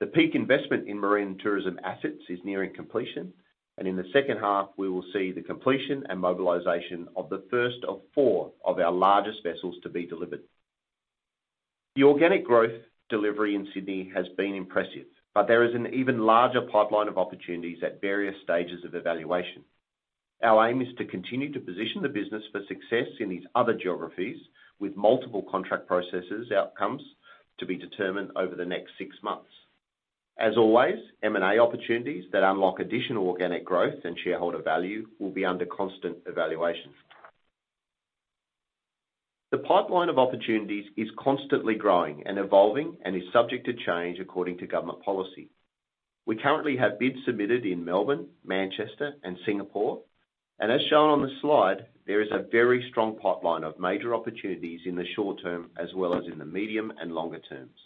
The peak investment in marine and tourism assets is nearing completion, and in the second half, we will see the completion and mobilization of the first of four of our largest vessels to be delivered. The organic growth delivery in Sydney has been impressive, but there is an even larger pipeline of opportunities at various stages of evaluation. Our aim is to continue to position the business for success in these other geographies with multiple contract processes outcomes to be determined over the next six months. As always, M&A opportunities that unlock additional organic growth and shareholder value will be under constant evaluation. The pipeline of opportunities is constantly growing and evolving and is subject to change according to government policy. We currently have bids submitted in Melbourne, Manchester, and Singapore, and as shown on the slide, there is a very strong pipeline of major opportunities in the short term as well as in the medium and longer terms.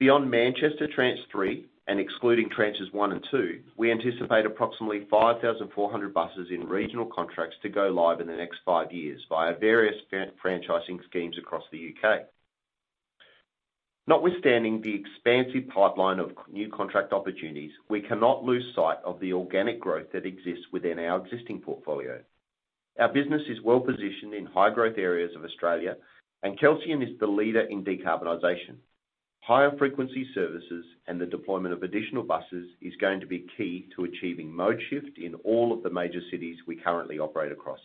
Beyond Manchester tranche three and excluding tranches one and two, we anticipate approximately 5,400 buses in regional contracts to go live in the next five years via various franchising schemes across the U.K.. Notwithstanding the expansive pipeline of new contract opportunities, we cannot lose sight of the organic growth that exists within our existing portfolio. Our business is well positioned in high-growth areas of Australia, and Kelsian is the leader in decarbonization. Higher frequency services and the deployment of additional buses is going to be key to achieving mode shift in all of the major cities we currently operate across.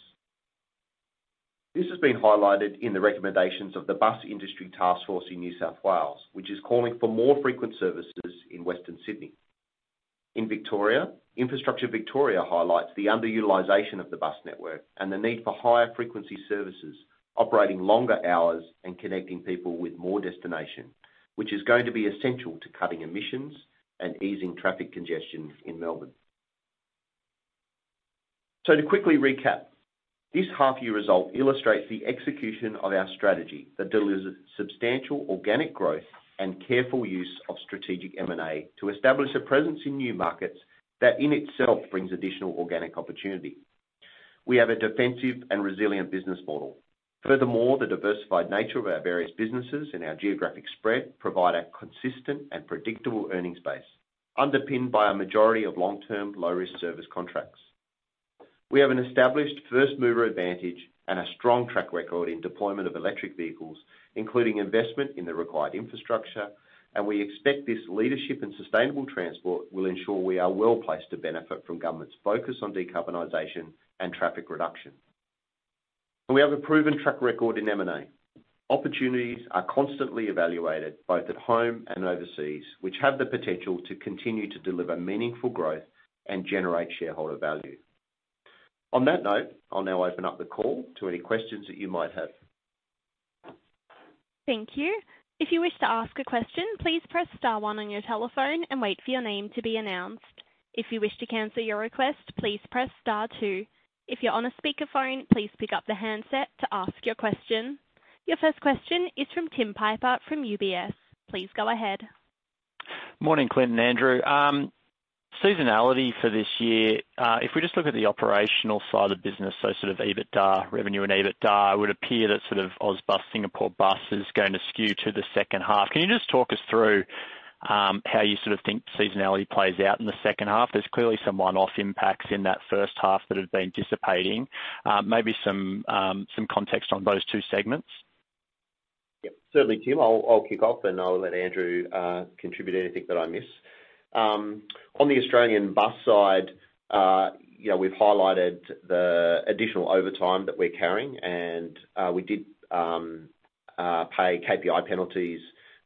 This has been highlighted in the recommendations of the Bus Industry Taskforce in New South Wales which is calling for more frequent services in Western Sydney. In Victoria, Infrastructure Victoria highlights the underutilization of the bus network and the need for higher frequency services operating longer hours and connecting people with more destination which is going to be essential to cutting emissions and easing traffic congestion in Melbourne. To quickly recap, this half-year result illustrates the execution of our strategy that delivers substantial organic growth and careful use of strategic M&A to establish a presence in new markets that in itself brings additional organic opportunity. We have a defensive and resilient business model. Furthermore, the diversified nature of our various businesses and our geographic spread provide a consistent and predictable earnings base underpinned by a majority of long-term low-risk service contracts. We have an established first mover advantage and a strong track record in deployment of electric vehicles including investment in the required infrastructure, and we expect this leadership and sustainable transport will ensure we are well placed to benefit from government's focus on decarbonization and traffic reduction. We have a proven track record in M&A. Opportunities are constantly evaluated both at home and overseas which have the potential to continue to deliver meaningful growth and generate shareholder value. On that note, I'll now open up the call to any questions that you might have. Thank you. If you wish to ask a question, please press star one on your telephone and wait for your name to be announced. If you wish to cancel your request, please press star two. If you're on a speakerphone, please pick up the handset to ask your question. Your first question is from Tim Piper from UBS. Please go ahead. Morning, Clint and Andrew. Seasonality for this year, if we just look at the operational side of the business, so sort of EBITDA, revenue and EBITDA, it would appear that sort of our bus Singapore bus is going to skew to the second half. Can you just talk us through how you sort of think seasonality plays out in the second half? There's clearly some one-off impacts in that first half that have been dissipating. Maybe some context on those two segments. Yep. Certainly, Tim. I'll kick off, and I'll let Andrew contribute anything that I miss. On the Australian bus side, we've highlighted the additional overtime that we're carrying, and we did pay KPI penalties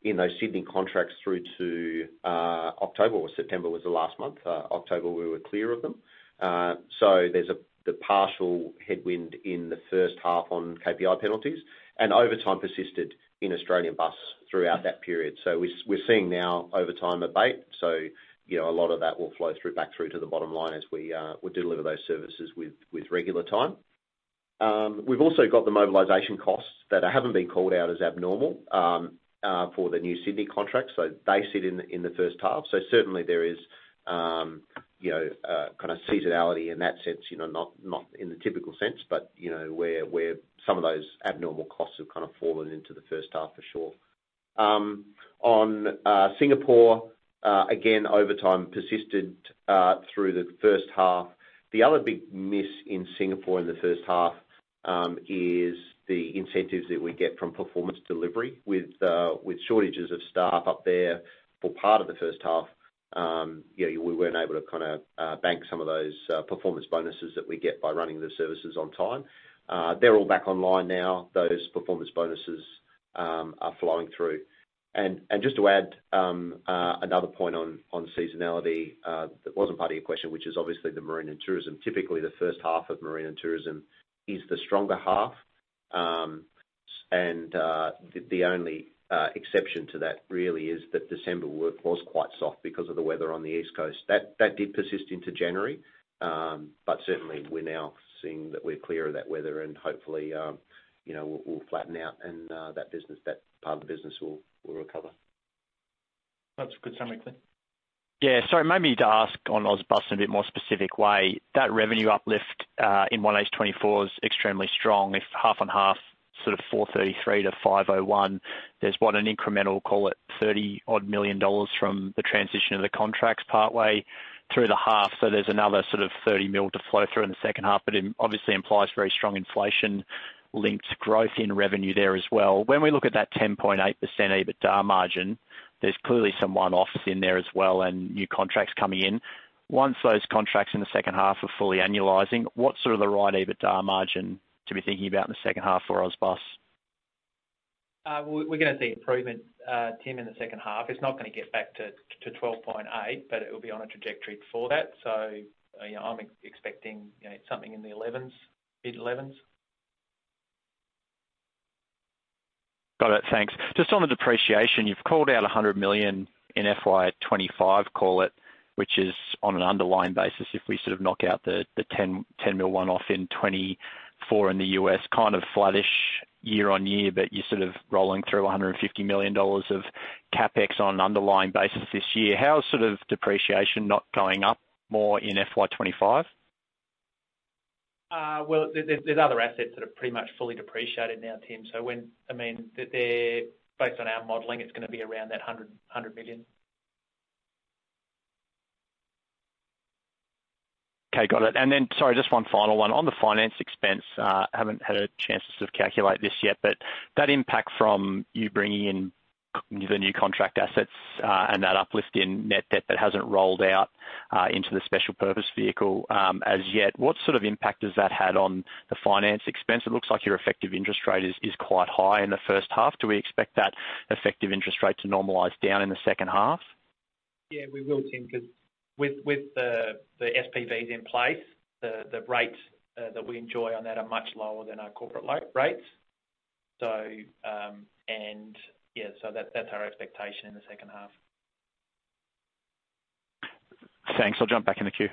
in those Sydney contracts through to October. September was the last month. October, we were clear of them. So there's the partial headwind in the first half on KPI penalties, and overtime persisted in Australian bus throughout that period. So we're seeing now overtime abate, so a lot of that will flow back through to the bottom line as we deliver those services with regular time. We've also got the mobilization costs that haven't been called out as abnormal for the new Sydney contracts. So they sit in the first half. So certainly, there is kind of seasonality in that sense, not in the typical sense, but where some of those abnormal costs have kind of fallen into the first half for sure. On Singapore, again, overtime persisted through the first half. The other big miss in Singapore in the first half is the incentives that we get from performance delivery with shortages of staff up there for part of the first half. We weren't able to kind of bank some of those performance bonuses that we get by running the services on time. They're all back online now. Those performance bonuses are flowing through. And just to add another point on seasonality that wasn't part of your question which is obviously the marine and tourism. Typically, the first half of marine and tourism is the stronger half, and the only exception to that really is that December work was quite soft because of the weather on the East Coast. That did persist into January, but certainly, we're now seeing that we're clear of that weather, and hopefully, we'll flatten out, and that part of the business will recover. That's a good summary, Clinton. Yeah. Sorry, maybe to ask on OzBus in a bit more specific way. That revenue uplift in 1H24 is extremely strong. If half on half, sort of 433 million to 501 million, there's, what, an incremental, call it, 30-odd million dollars from the transition of the contracts partway through the half. So there's another sort of 30 million to flow through in the second half, but it obviously implies very strong inflation-linked growth in revenue there as well. When we look at that 10.8% EBITDA margin, there's clearly some one-offs in there as well and new contracts coming in. Once those contracts in the second half are fully annualizing, what's sort of the right EBITDA margin to be thinking about in the second half for OzBus? We're going to see improvement, Tim, in the second half. It's not going to get back to 12.8, but it will be on a trajectory before that. So I'm expecting something in the mid-11s. Got it. Thanks. Just on the depreciation, you've called out 100 million in FY25, call it, which is on an underlying basis if we sort of knock out the $10 million one-off in 2024 in the US. Kind of flattish year-over-year, but you're sort of rolling through 150 million dollars of CapEx on an underlying basis this year. How's sort of depreciation not going up more in FY25? Well, there's other assets that are pretty much fully depreciated now, Tim. So I mean, based on our modeling, it's going to be around that 100 million. Okay. Got it. And then, sorry, just one final one. On the finance expense, haven't had a chance to sort of calculate this yet, but that impact from you bringing in the new contract assets and that uplift in net debt that hasn't rolled out into the special purpose vehicle as yet, what sort of impact has that had on the finance expense? It looks like your effective interest rate is quite high in the first half. Do we expect that effective interest rate to normalize down in the second half? Yeah, we will, Tim, because with the SPVs in place, the rates that we enjoy on that are much lower than our corporate rates. Yeah, so that's our expectation in the second half. Thanks. I'll jump back in the queue.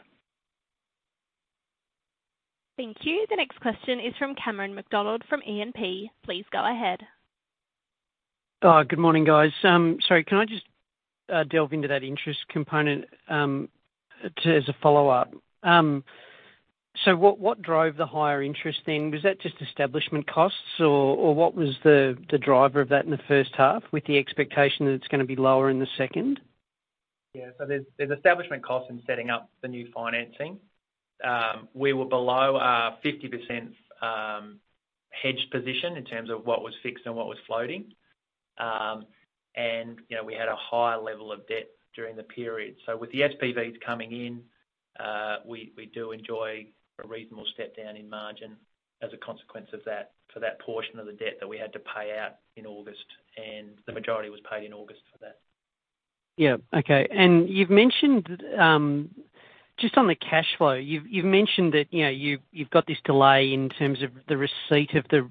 Thank you. The next question is from Cameron McDonald from E&P. Please go ahead. Good morning, guys. Sorry, can I just delve into that interest component as a follow-up? So what drove the higher interest then? Was that just establishment costs, or what was the driver of that in the first half with the expectation that it's going to be lower in the second? Yeah. So there's establishment costs in setting up the new financing. We were below our 50% hedged position in terms of what was fixed and what was floating, and we had a higher level of debt during the period. So with the SPVs coming in, we do enjoy a reasonable step down in margin as a consequence of that for that portion of the debt that we had to pay out in August, and the majority was paid in August for that. Yeah. Okay. And you've mentioned just on the cash flow, you've mentioned that you've got this delay in terms of the receipt of the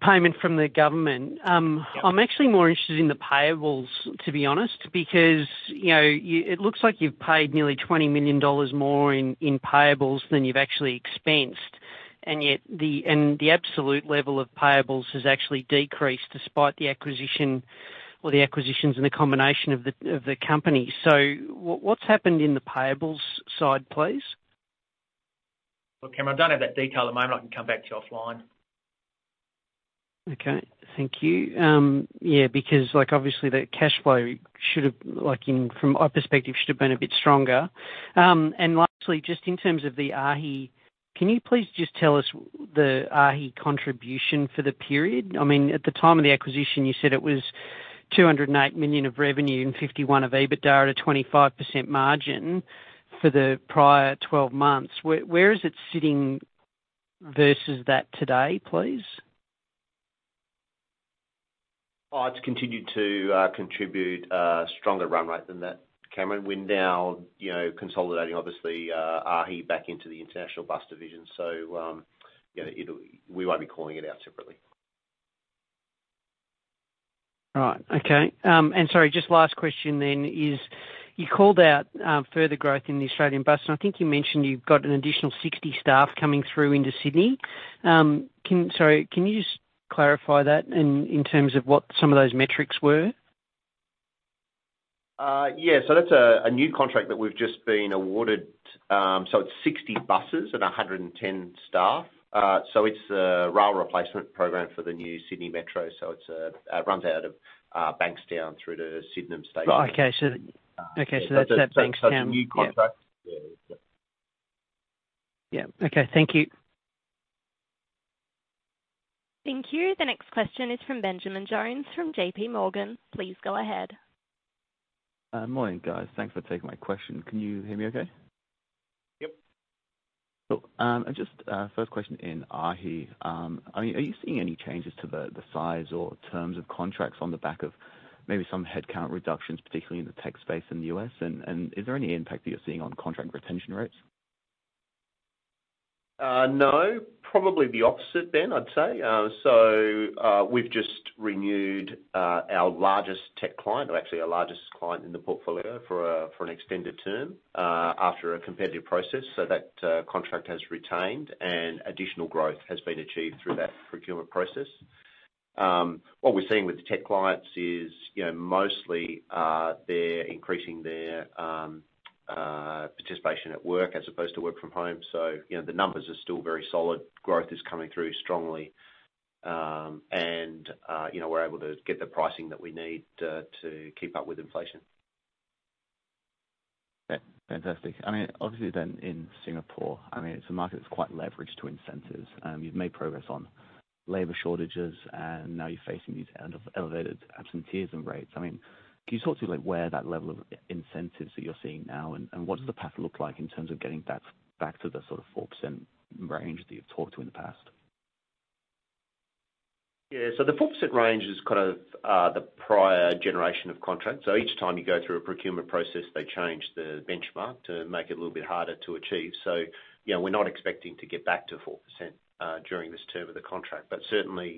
payment from the government. I'm actually more interested in the payables, to be honest, because it looks like you've paid nearly 20 million dollars more in payables than you've actually expensed, and yet the absolute level of payables has actually decreased despite the acquisition or the acquisitions and the combination of the company. So what's happened in the payables side, please? Look, Cameron, I don't have that detail at the moment. I can come back to you offline. Okay. Thank you. Yeah, because obviously, the cash flow should have, from our perspective, should have been a bit stronger. And lastly, just in terms of the AAAHI, can you please just tell us the AAAHI contribution for the period? I mean, at the time of the acquisition, you said it was $208 million of revenue and $51 million of EBITDA at a 25% margin for the prior 12 months. Where is it sitting versus that today, please? Oh, it's continued to contribute a stronger run rate than that, Cameron. We're now consolidating, obviously, AAAHI back into the international bus division, so we won't be calling it out separately. All right. Okay. And sorry, just last question then is you called out further growth in the Australian bus, and I think you mentioned you've got an additional 60 staff coming through into Sydney. Sorry, can you just clarify that in terms of what some of those metrics were? Yeah. So that's a new contract that we've just been awarded. So it's 60 buses and 110 staff. So it's a rail replacement program for the new Sydney Metro, so it runs out of Bankstown through to Sydenham Station. Okay. Okay. So that's at Bankstown. So it's a new contract. Yeah. Yeah. Okay. Thank you. Thank you. The next question is from Benjamin Jones from J.P. Morgan. Please go ahead. Morning, guys. Thanks for taking my question. Can you hear me okay? Yep. Cool. Just first question in AAAHI. I mean, are you seeing any changes to the size or terms of contracts on the back of maybe some headcount reductions, particularly in the tech space in the U.S.? And is there any impact that you're seeing on contract retention rates? No. Probably the opposite then, I'd say. So we've just renewed our largest tech client or actually our largest client in the portfolio for an extended term after a competitive process. So that contract has retained, and additional growth has been achieved through that procurement process. What we're seeing with the tech clients is mostly they're increasing their participation at work as opposed to work from home. So the numbers are still very solid. Growth is coming through strongly, and we're able to get the pricing that we need to keep up with inflation. Fantastic. I mean, obviously, then in Singapore, I mean, it's a market that's quite leveraged to incentives. You've made progress on labour shortages, and now you're facing these elevated absenteeism rates. I mean, can you talk to where that level of incentives that you're seeing now, and what does the path look like in terms of getting back to the sort of 4% range that you've talked to in the past? Yeah. So the 4% range is kind of the prior generation of contracts. So each time you go through a procurement process, they change the benchmark to make it a little bit harder to achieve. So we're not expecting to get back to 4% during this term of the contract, but certainly,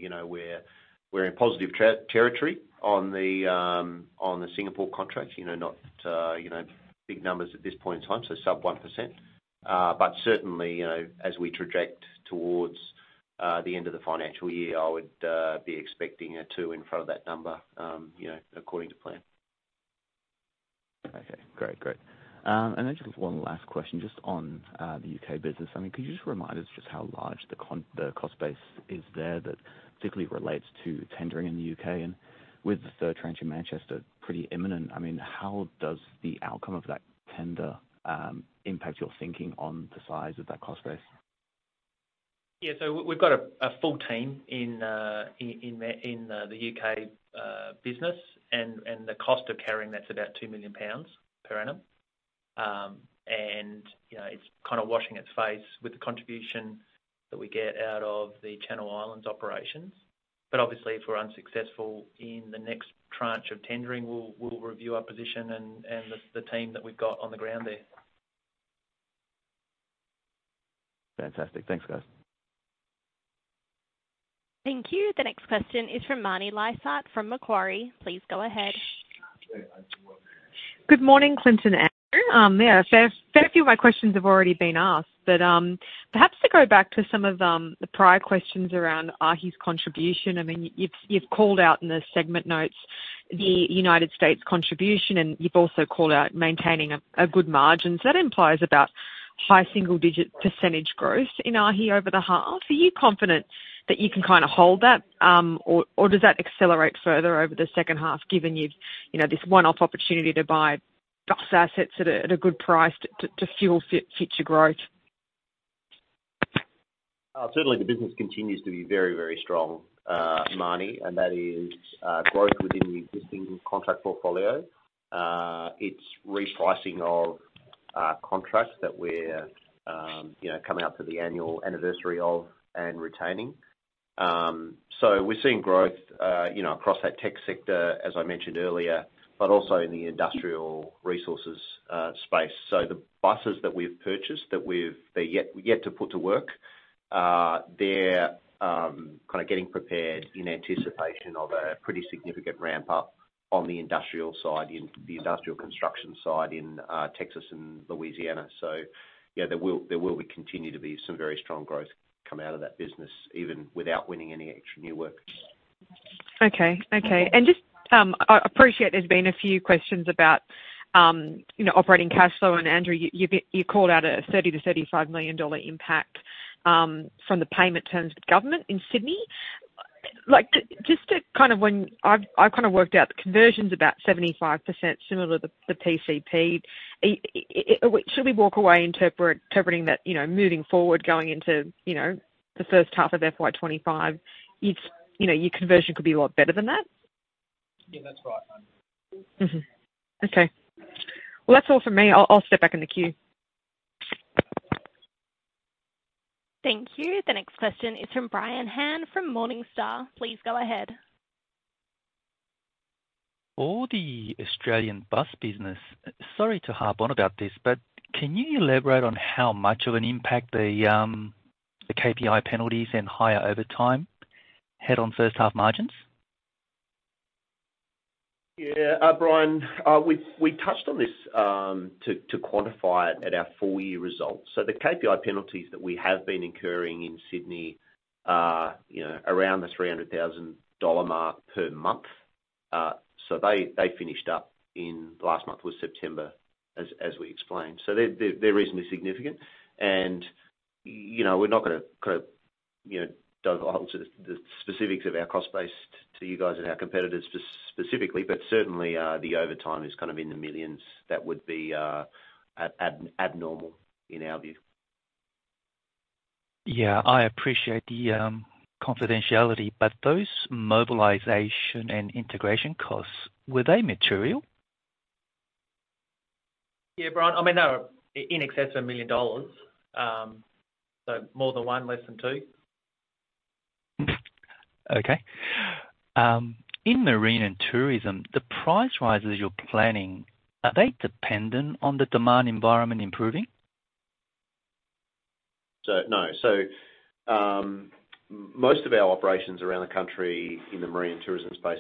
we're in positive territory on the Singapore contracts. Not big numbers at this point in time, so sub 1%. But certainly, as we project towards the end of the financial year, I would be expecting a 2 in front of that number according to plan. Okay. Great. Great. And then just one last question just on the U.K. business. I mean, could you just remind us just how large the cost base is there that particularly relates to tendering in the U.K.? And with the third tranche in Manchester pretty imminent, I mean, how does the outcome of that tender impact your thinking on the size of that cost base? Yeah. So we've got a full team in the U.K. business, and the cost of carrying that's about 2 million pounds per annum. And it's kind of washing its face with the contribution that we get out of the Channel Islands operations. But obviously, if we're unsuccessful in the next tranche of tendering, we'll review our position and the team that we've got on the ground there. Fantastic. Thanks, guys. Thank you. The next question is from Marnie Lysaght from Macquarie. Please go ahead. Good morning, Clinton and Andrew. Yeah, a fair few of my questions have already been asked, but perhaps to go back to some of the prior questions around AAAHI's contribution. I mean, you've called out in the segment notes the United States contribution, and you've also called out maintaining a good margin. So that implies about high single-digit % growth in AAAHI over the half. Are you confident that you can kind of hold that, or does that accelerate further over the second half given you've this one-off opportunity to buy bus assets at a good price to fuel future growth? Certainly, the business continues to be very, very strong, Marnie, and that is growth within the existing contract portfolio. It's repricing of contracts that we're coming out to the annual anniversary of and retaining. So we're seeing growth across that tech sector, as I mentioned earlier, but also in the industrial resources space. So the buses that we've purchased that we've yet to put to work, they're kind of getting prepared in anticipation of a pretty significant ramp-up on the industrial side, the industrial construction side in Texas and Louisiana. So there will continue to be some very strong growth come out of that business even without winning any extra new work. Okay. Okay. And just I appreciate there's been a few questions about operating cash flow. And Andrew, you called out an 30 million to 35 million dollar impact from the payment terms with government in Sydney. Just to kind of when I've kind of worked out the conversion's about 75%, similar to the PCP. Should we walk away interpreting that moving forward, going into the first half of FY25, your conversion could be a lot better than that? Yeah, that's right, Marnie. Okay. Well, that's all from me. I'll step back in the queue. Thank you. The next question is from Brian Han from Morningstar. Please go ahead. For the Australian bus business, sorry to harp on about this, but can you elaborate on how much of an impact the KPI Penalties and higher overtime had on first-half margins? Yeah. Brian, we touched on this to quantify it at our full-year results. So the KPI penalties that we have been incurring in Sydney are around the 300,000 dollar mark per month. So they finished up last month was September, as we explained. So they're reasonably significant. And we're not going to kind of dovetail to the specifics of our cost base to you guys and our competitors specifically, but certainly, the overtime is kind of in the millions. That would be abnormal in our view. Yeah. I appreciate the confidentiality, but those mobilization and integration costs, were they material? Yeah, Brian. I mean, they were in excess of 1 million dollars. So more than 1, less than 2. Okay. In marine and tourism, the price rises you're planning, are they dependent on the demand environment improving? No. So most of our operations around the country in the marine and tourism space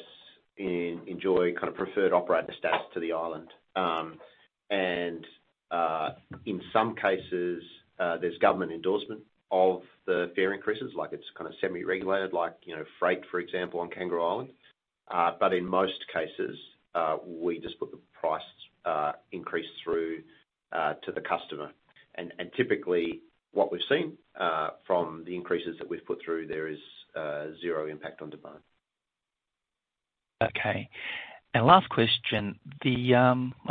enjoy kind of preferred operator status to the island. And in some cases, there's government endorsement of the fare increases. It's kind of semi-regulated, like freight, for example, on Kangaroo Island. But in most cases, we just put the price increase through to the customer. And typically, what we've seen from the increases that we've put through, there is zero impact on demand. Okay. And last question, I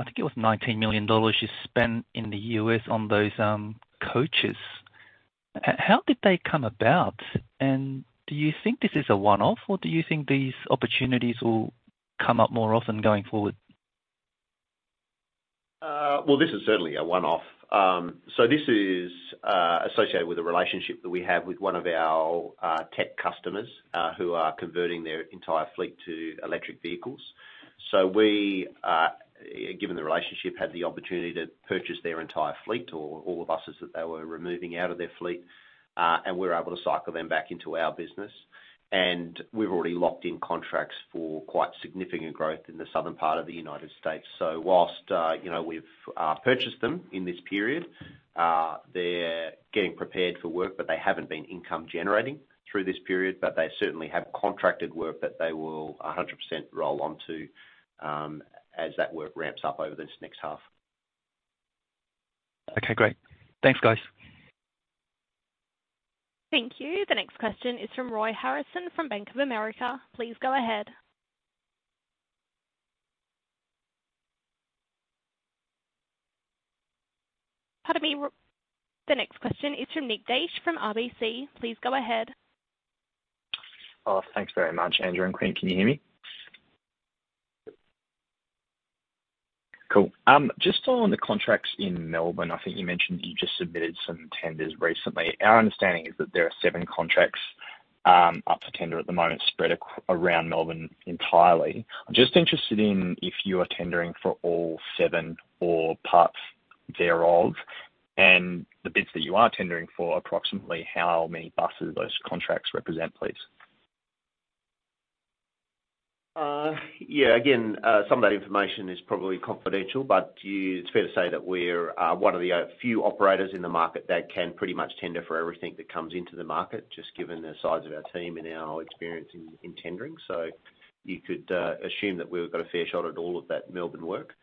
think it was $19 million you spent in the U.S. on those coaches. How did they come about? And do you think this is a one-off, or do you think these opportunities will come up more often going forward? Well, this is certainly a one-off. So this is associated with a relationship that we have with one of our tech customers who are converting their entire fleet to electric vehicles. So we, given the relationship, had the opportunity to purchase their entire fleet or all the buses that they were removing out of their fleet, and we were able to cycle them back into our business. And we've already locked in contracts for quite significant growth in the southern part of the United States. So whilst we've purchased them in this period, they're getting prepared for work, but they haven't been income-generating through this period. But they certainly have contracted work that they will 100% roll onto as that work ramps up over this next half. Okay. Great. Thanks, guys. Thank you. The next question is from Roy Harrison from Bank of America. Please go ahead. Pardon me. The next question is from Nick Desch from RBC. Please go ahead. Thanks very much, Andrew and Clint. Can you hear me? Cool. Just on the contracts in Melbourne, I think you mentioned that you just submitted some tenders recently. Our understanding is that there are seven contracts up for tender at the moment spread around Melbourne entirely. I'm just interested in if you are tendering for all seven or parts thereof, and the bids that you are tendering for, approximately how many buses those contracts represent, please. Yeah. Again, some of that information is probably confidential, but it's fair to say that we're one of the few operators in the market that can pretty much tender for everything that comes into the market just given the size of our team and our experience in tendering. So you could assume that we've got a fair shot at all of that Melbourne work.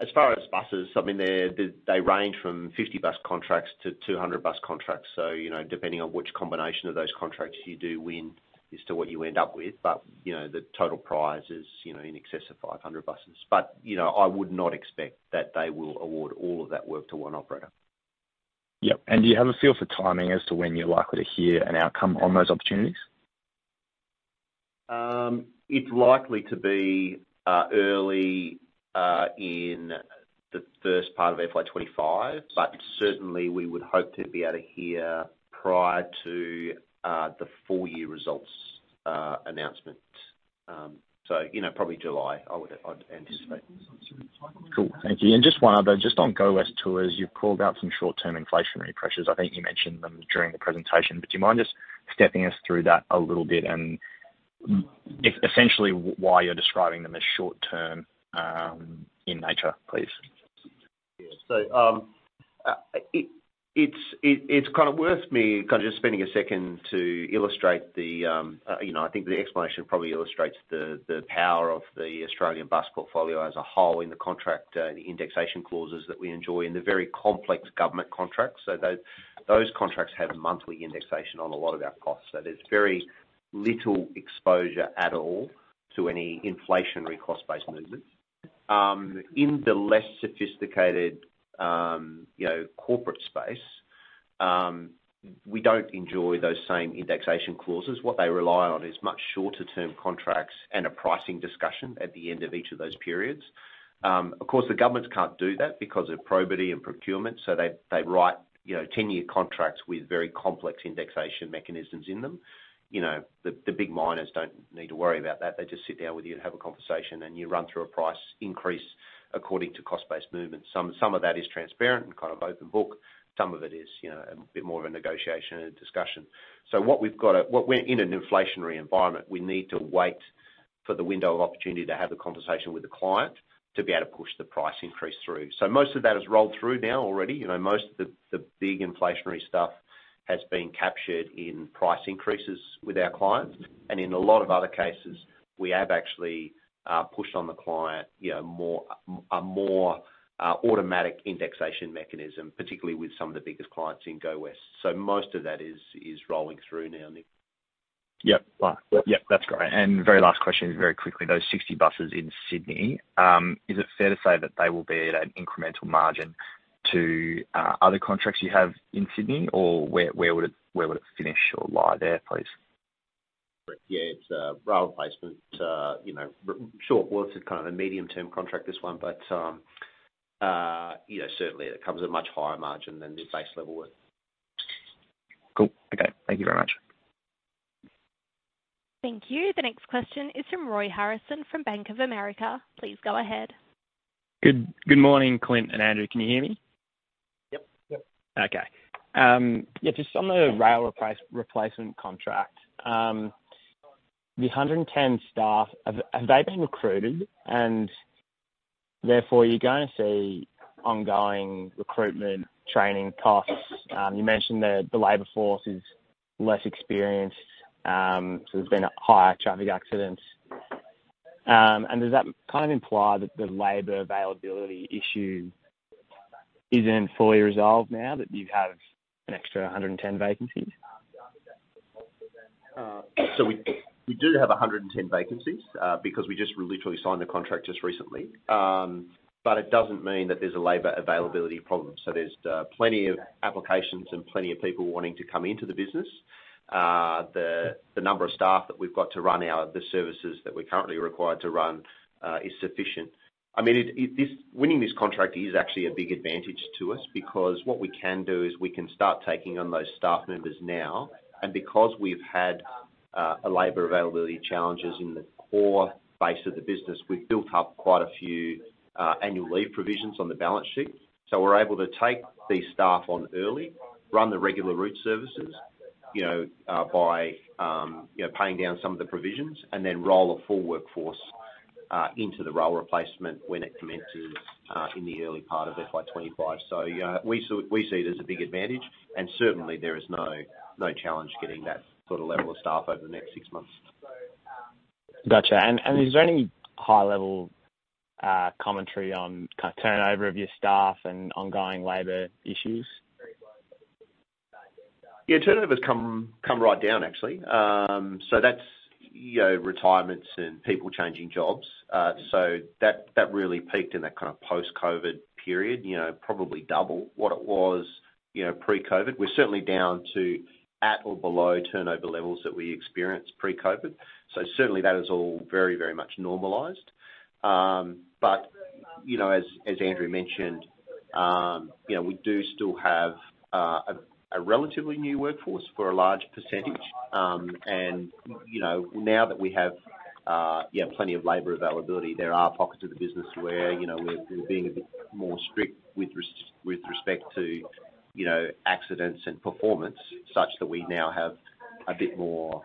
As far as buses, I mean, they range from 50-bus contracts to 200-bus contracts. So depending on which combination of those contracts you do win as to what you end up with, but the total price is in excess of 500 buses. But I would not expect that they will award all of that work to one operator. Yep. And do you have a feel for timing as to when you're likely to hear an outcome on those opportunities? It's likely to be early in the first part of FY25, but certainly, we would hope to be able to hear prior to the full-year results announcement. So probably July, I would anticipate. Cool. Thank you. And just one other. Just on Go West Tours, you've called out some short-term inflationary pressures. I think you mentioned them during the presentation, but do you mind just stepping us through that a little bit and essentially why you're describing them as short-term in nature, please? Yeah. So it's kind of worth me kind of just spending a second to illustrate the, I think, the explanation probably illustrates the power of the Australian bus portfolio as a whole in the contract indexation clauses that we enjoy in the very complex government contracts. So those contracts have monthly indexation on a lot of our costs. So there's very little exposure at all to any inflationary cost-based movements. In the less sophisticated corporate space, we don't enjoy those same indexation clauses. What they rely on is much shorter-term contracts and a pricing discussion at the end of each of those periods. Of course, the governments can't do that because of probity and procurement. So they write 10-year contracts with very complex indexation mechanisms in them. The big miners don't need to worry about that. They just sit down with you and have a conversation, and you run through a price increase according to cost-based movements. Some of that is transparent and kind of open book. Some of it is a bit more of a negotiation and discussion. So we're in an inflationary environment. We need to wait for the window of opportunity to have the conversation with the client to be able to push the price increase through. So most of that has rolled through now already. Most of the big inflationary stuff has been captured in price increases with our clients. And in a lot of other cases, we have actually pushed on the client a more automatic indexation mechanism, particularly with some of the biggest clients in Go West. So most of that is rolling through now, Nick. Yep. Yep. That's great. Very last question, very quickly, those 60 buses in Sydney, is it fair to say that they will be at an incremental margin to other contracts you have in Sydney, or where would it finish or lie there, please? Yeah. It's a rail replacement. Sure, worth it kind of a medium-term contract, this one, but certainly, it comes at a much higher margin than the base level would. Cool. Okay. Thank you very much. Thank you. The next question is from Roy Harrison from Bank of America. Please go ahead. Good morning, Clinton and Andrew. Can you hear me? Yep. Yep. Okay. Yeah. Just on the rail replacement contract, the 110 staff, have they been recruited? And therefore, you're going to see ongoing recruitment, training costs. You mentioned that the labor force is less experienced, so there's been higher traffic accidents. And does that kind of imply that the labor availability issue isn't fully resolved now, that you have an extra 110 vacancies? So we do have 110 vacancies because we just literally signed the contract just recently. But it doesn't mean that there's a labor availability problem. So there's plenty of applications and plenty of people wanting to come into the business. The number of staff that we've got to run the services that we're currently required to run is sufficient. I mean, winning this contract is actually a big advantage to us because what we can do is we can start taking on those staff members now. And because we've had a labor availability challenge in the core base of the business, we've built up quite a few annual leave provisions on the balance sheet. So we're able to take these staff on early, run the regular route services by paying down some of the provisions, and then roll a full workforce into the rail replacement when it commences in the early part of FY25. So we see it as a big advantage. And certainly, there is no challenge getting that sort of level of staff over the next six months. Gotcha. Is there any high-level commentary on kind of turnover of your staff and ongoing labor issues? Yeah. Turnovers come right down, actually. So that's retirements and people changing jobs. So that really peaked in that kind of post-COVID period, probably double what it was pre-COVID. We're certainly down to at or below turnover levels that we experienced pre-COVID. So certainly, that is all very, very much normalised. But as Andrew mentioned, we do still have a relatively new workforce for a large percentage. And now that we have plenty of labour availability, there are pockets of the business where we're being a bit more strict with respect to accidents and performance such that we now have a bit more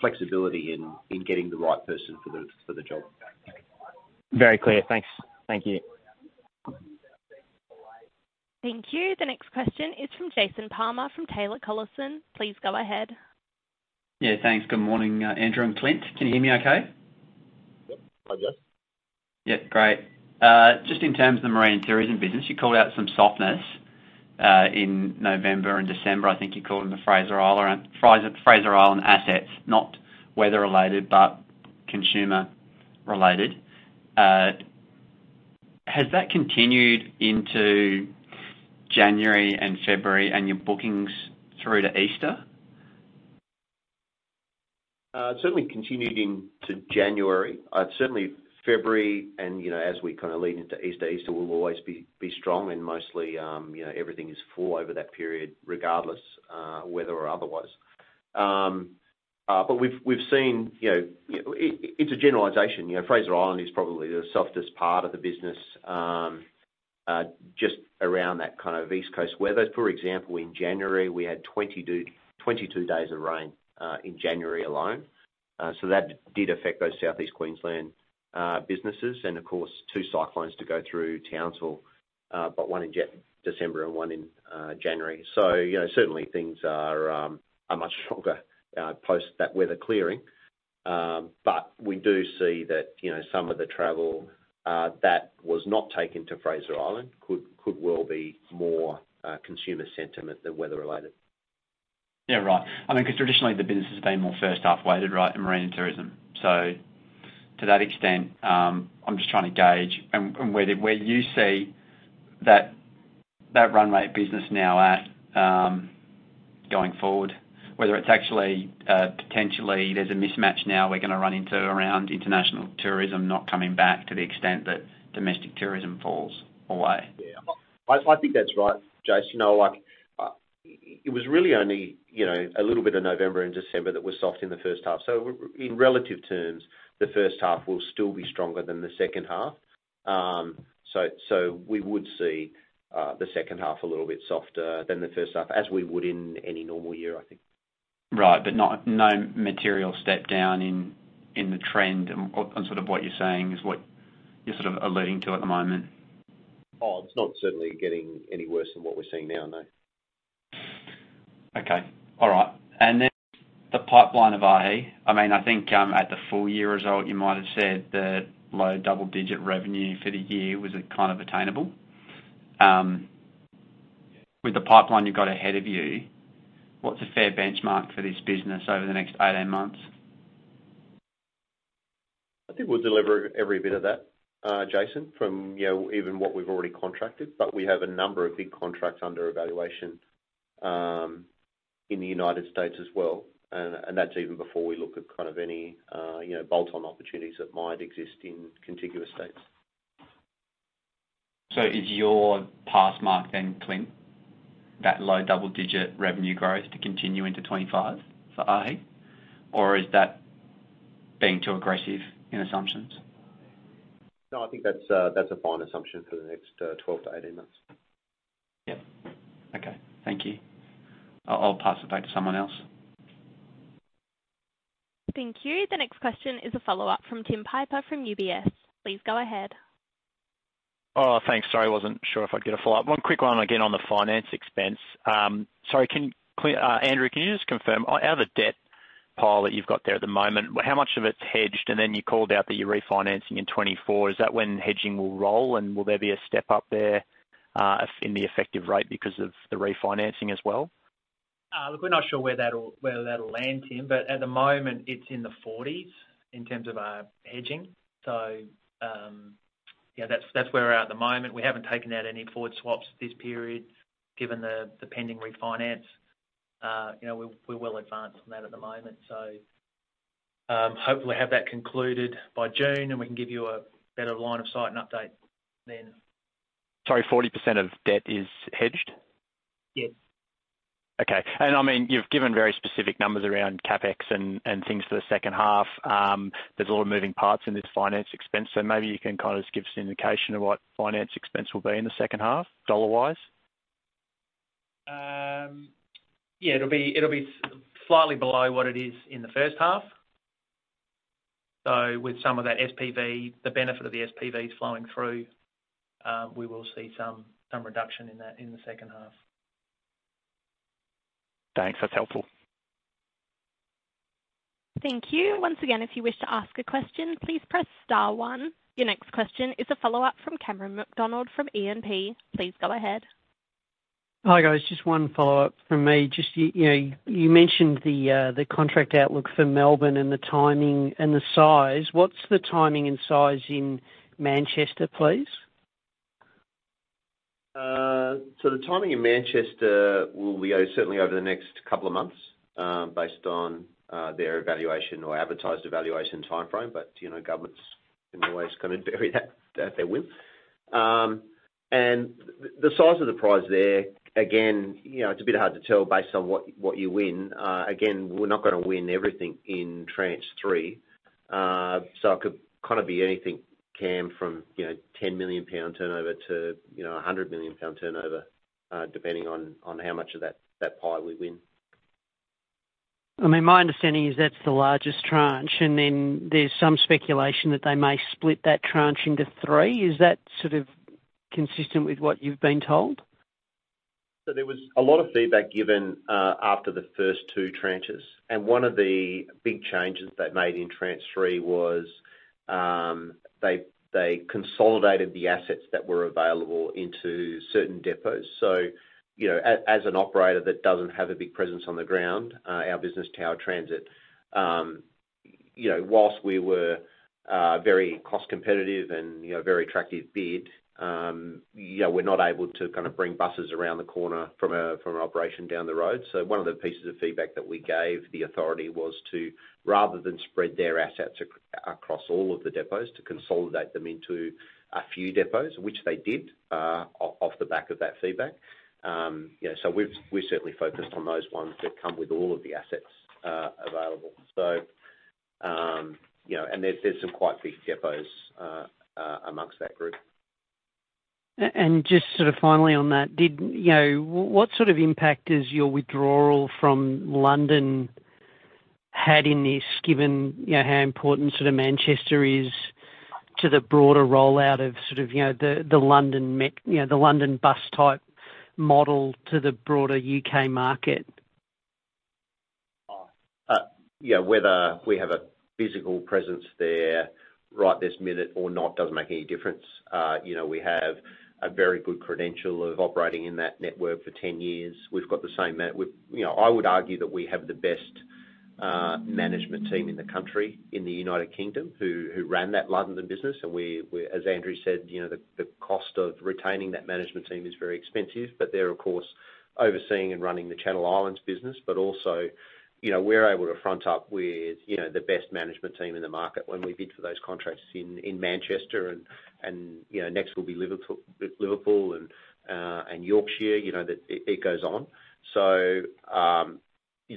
flexibility in getting the right person for the job. Very clear. Thanks. Thank you. Thank you. The next question is from Jason Palmer from Taylor Collison. Please go ahead. Yeah. Thanks. Good morning, Andrew and Clint. Can you hear me okay? Yep. Hi, Jason. Yep. Great. Just in terms of the marine and tourism business, you called out some softness in November and December. I think you called in the Fraser Island assets, not weather-related but consumer-related. Has that continued into January and February and your bookings through to Easter? It's certainly continued into January. Certainly, February and as we kind of lead into Easter, Easter will always be strong, and mostly, everything is full over that period regardless, weather or otherwise. But we've seen it's a generalisation. Fraser Island is probably the softest part of the business just around that kind of East Coast weather. For example, in January, we had 22 days of rain in January alone. So that did affect those Southeast Queensland businesses. And of course, 2 cyclones to go through Townsville, but 1 in December and 1 in January. So certainly, things are much stronger post that weather clearing. But we do see that some of the travel that was not taken to Fraser Island could well be more consumer sentiment than weather-related. Yeah. Right. I mean, because traditionally, the business has been more first-half weighted, right, in marine and tourism. So to that extent, I'm just trying to gauge where you see that run rate business now at going forward, whether it's actually potentially there's a mismatch now we're going to run into around international tourism not coming back to the extent that domestic tourism falls away? Yeah. I think that's right, Jason. It was really only a little bit of November and December that were soft in the first half. So in relative terms, the first half will still be stronger than the second half. So we would see the second half a little bit softer than the first half as we would in any normal year, I think. Right. But no material step down in the trend on sort of what you're saying is what you're sort of alluding to at the moment? Oh, it's not certainly getting any worse than what we're seeing now, no. Okay. All right. And then the pipeline of RE, I mean, I think at the full-year result, you might have said that low double-digit revenue for the year was kind of attainable. With the pipeline you've got ahead of you, what's a fair benchmark for this business over the next 8, 10 months? I think we'll deliver every bit of that, Jason, from even what we've already contracted. But we have a number of big contracts under evaluation in the United States as well. And that's even before we look at kind of any bolt-on opportunities that might exist in contiguous states. So is your passmark, then, Clint, that low double-digit revenue growth to continue into 2025 for RE, or is that being too aggressive in assumptions? No, I think that's a fine assumption for the next 12 to 18 months. Yep. Okay. Thank you. I'll pass it back to someone else. Thank you. The next question is a follow-up from Tim Piper from UBS. Please go ahead. Oh, thanks. Sorry, I wasn't sure if I'd get a follow-up. One quick one again on the finance expense. Sorry, Andrew, can you just confirm out of the debt pile that you've got there at the moment, how much of it's hedged? And then you called out that you're refinancing in 2024. Is that when hedging will roll, and will there be a step up there in the effective rate because of the refinancing as well? Look, we're not sure where that'll land, Tim, but at the moment, it's in the 40s in terms of our hedging. So yeah, that's where we're at at the moment. We haven't taken out any forward swaps this period given the pending refinance. We're well advanced on that at the moment. So hopefully, have that concluded by June, and we can give you a better line of sight and update then. Sorry, 40% of debt is hedged? Yes. Okay. And I mean, you've given very specific numbers around CapEx and things for the second half. There's a lot of moving parts in this finance expense. So maybe you can kind of just give us an indication of what finance expense will be in the second half dollar-wise? Yeah. It'll be slightly below what it is in the first half. With some of that SPV, the benefit of the SPVs flowing through, we will see some reduction in that in the second half. Thanks. That's helpful. Thank you. Once again, if you wish to ask a question, please press star one. Your next question is a follow-up from Cameron McDonald from E&P. Please go ahead. Hi, guys. Just one follow-up from me. You mentioned the contract outlook for Melbourne and the timing and the size. What's the timing and size in Manchester, please? The timing in Manchester will be certainly over the next couple of months based on their evaluation or advertised evaluation timeframe. Governments can always kind of bury that at their whim. The size of the price there, again, it's a bit hard to tell based on what you win. Again, we're not going to win everything in tranche three. It could kind of be anything, Cam, from 10 million pound turnover to 100 million pound turnover, depending on how much of that pie we win. I mean, my understanding is that's the largest tranche. Then there's some speculation that they may split that tranche into three. Is that sort of consistent with what you've been told? So there was a lot of feedback given after the first two tranches. One of the big changes they made in tranche three was they consolidated the assets that were available into certain depots. So as an operator that doesn't have a big presence on the ground, our business Tower Transit, whilst we were very cost-competitive and very attractive bid, we're not able to kind of bring buses around the corner from an operation down the road. So one of the pieces of feedback that we gave the authority was to, rather than spread their assets across all of the depots, to consolidate them into a few depots, which they did off the back of that feedback. So we've certainly focused on those ones that come with all of the assets available. There's some quite big depots amongst that group. Just sort of finally on that, what sort of impact has your withdrawal from London had in this, given how important sort of Manchester is to the broader rollout of sort of the London bus type model to the broader U.K. market? Yeah. Whether we have a physical presence there right this minute or not doesn't make any difference. We have a very good credential of operating in that network for 10 years. We've got the same. I would argue that we have the best management team in the country, in the United Kingdom, who ran that London business. And as Andrew said, the cost of retaining that management team is very expensive. But they're, of course, overseeing and running the Channel Islands business. But also, we're able to front up with the best management team in the market when we bid for those contracts in Manchester. And next will be Liverpool and Yorkshire. It goes on. So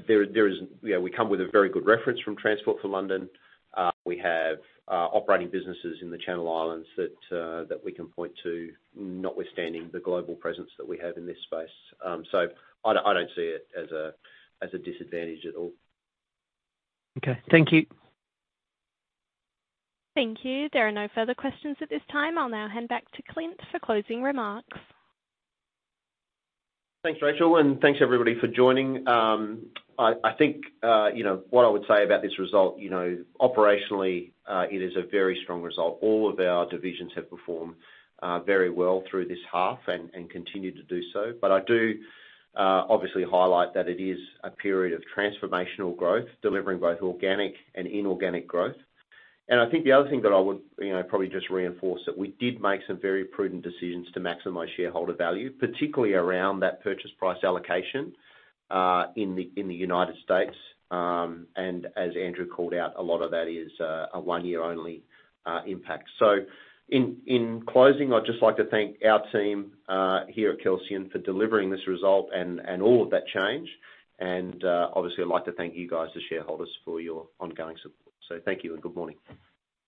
there is we come with a very good reference from Transport for London. We have operating businesses in the Channel Islands that we can point to notwithstanding the global presence that we have in this space. I don't see it as a disadvantage at all. Okay. Thank you. Thank you. There are no further questions at this time. I'll now hand back to Clint for closing remarks. Thanks, Rachel. And thanks, everybody, for joining. I think what I would say about this result, operationally, it is a very strong result. All of our divisions have performed very well through this half and continue to do so. But I do obviously highlight that it is a period of transformational growth, delivering both organic and inorganic growth. And I think the other thing that I would probably just reinforce that we did make some very prudent decisions to maximize shareholder value, particularly around that purchase price allocation in the United States. And as Andrew called out, a lot of that is a one-year-only impact. So in closing, I'd just like to thank our team here at Kelsian for delivering this result and all of that change. And obviously, I'd like to thank you guys, the shareholders, for your ongoing support. So thank you, and good morning.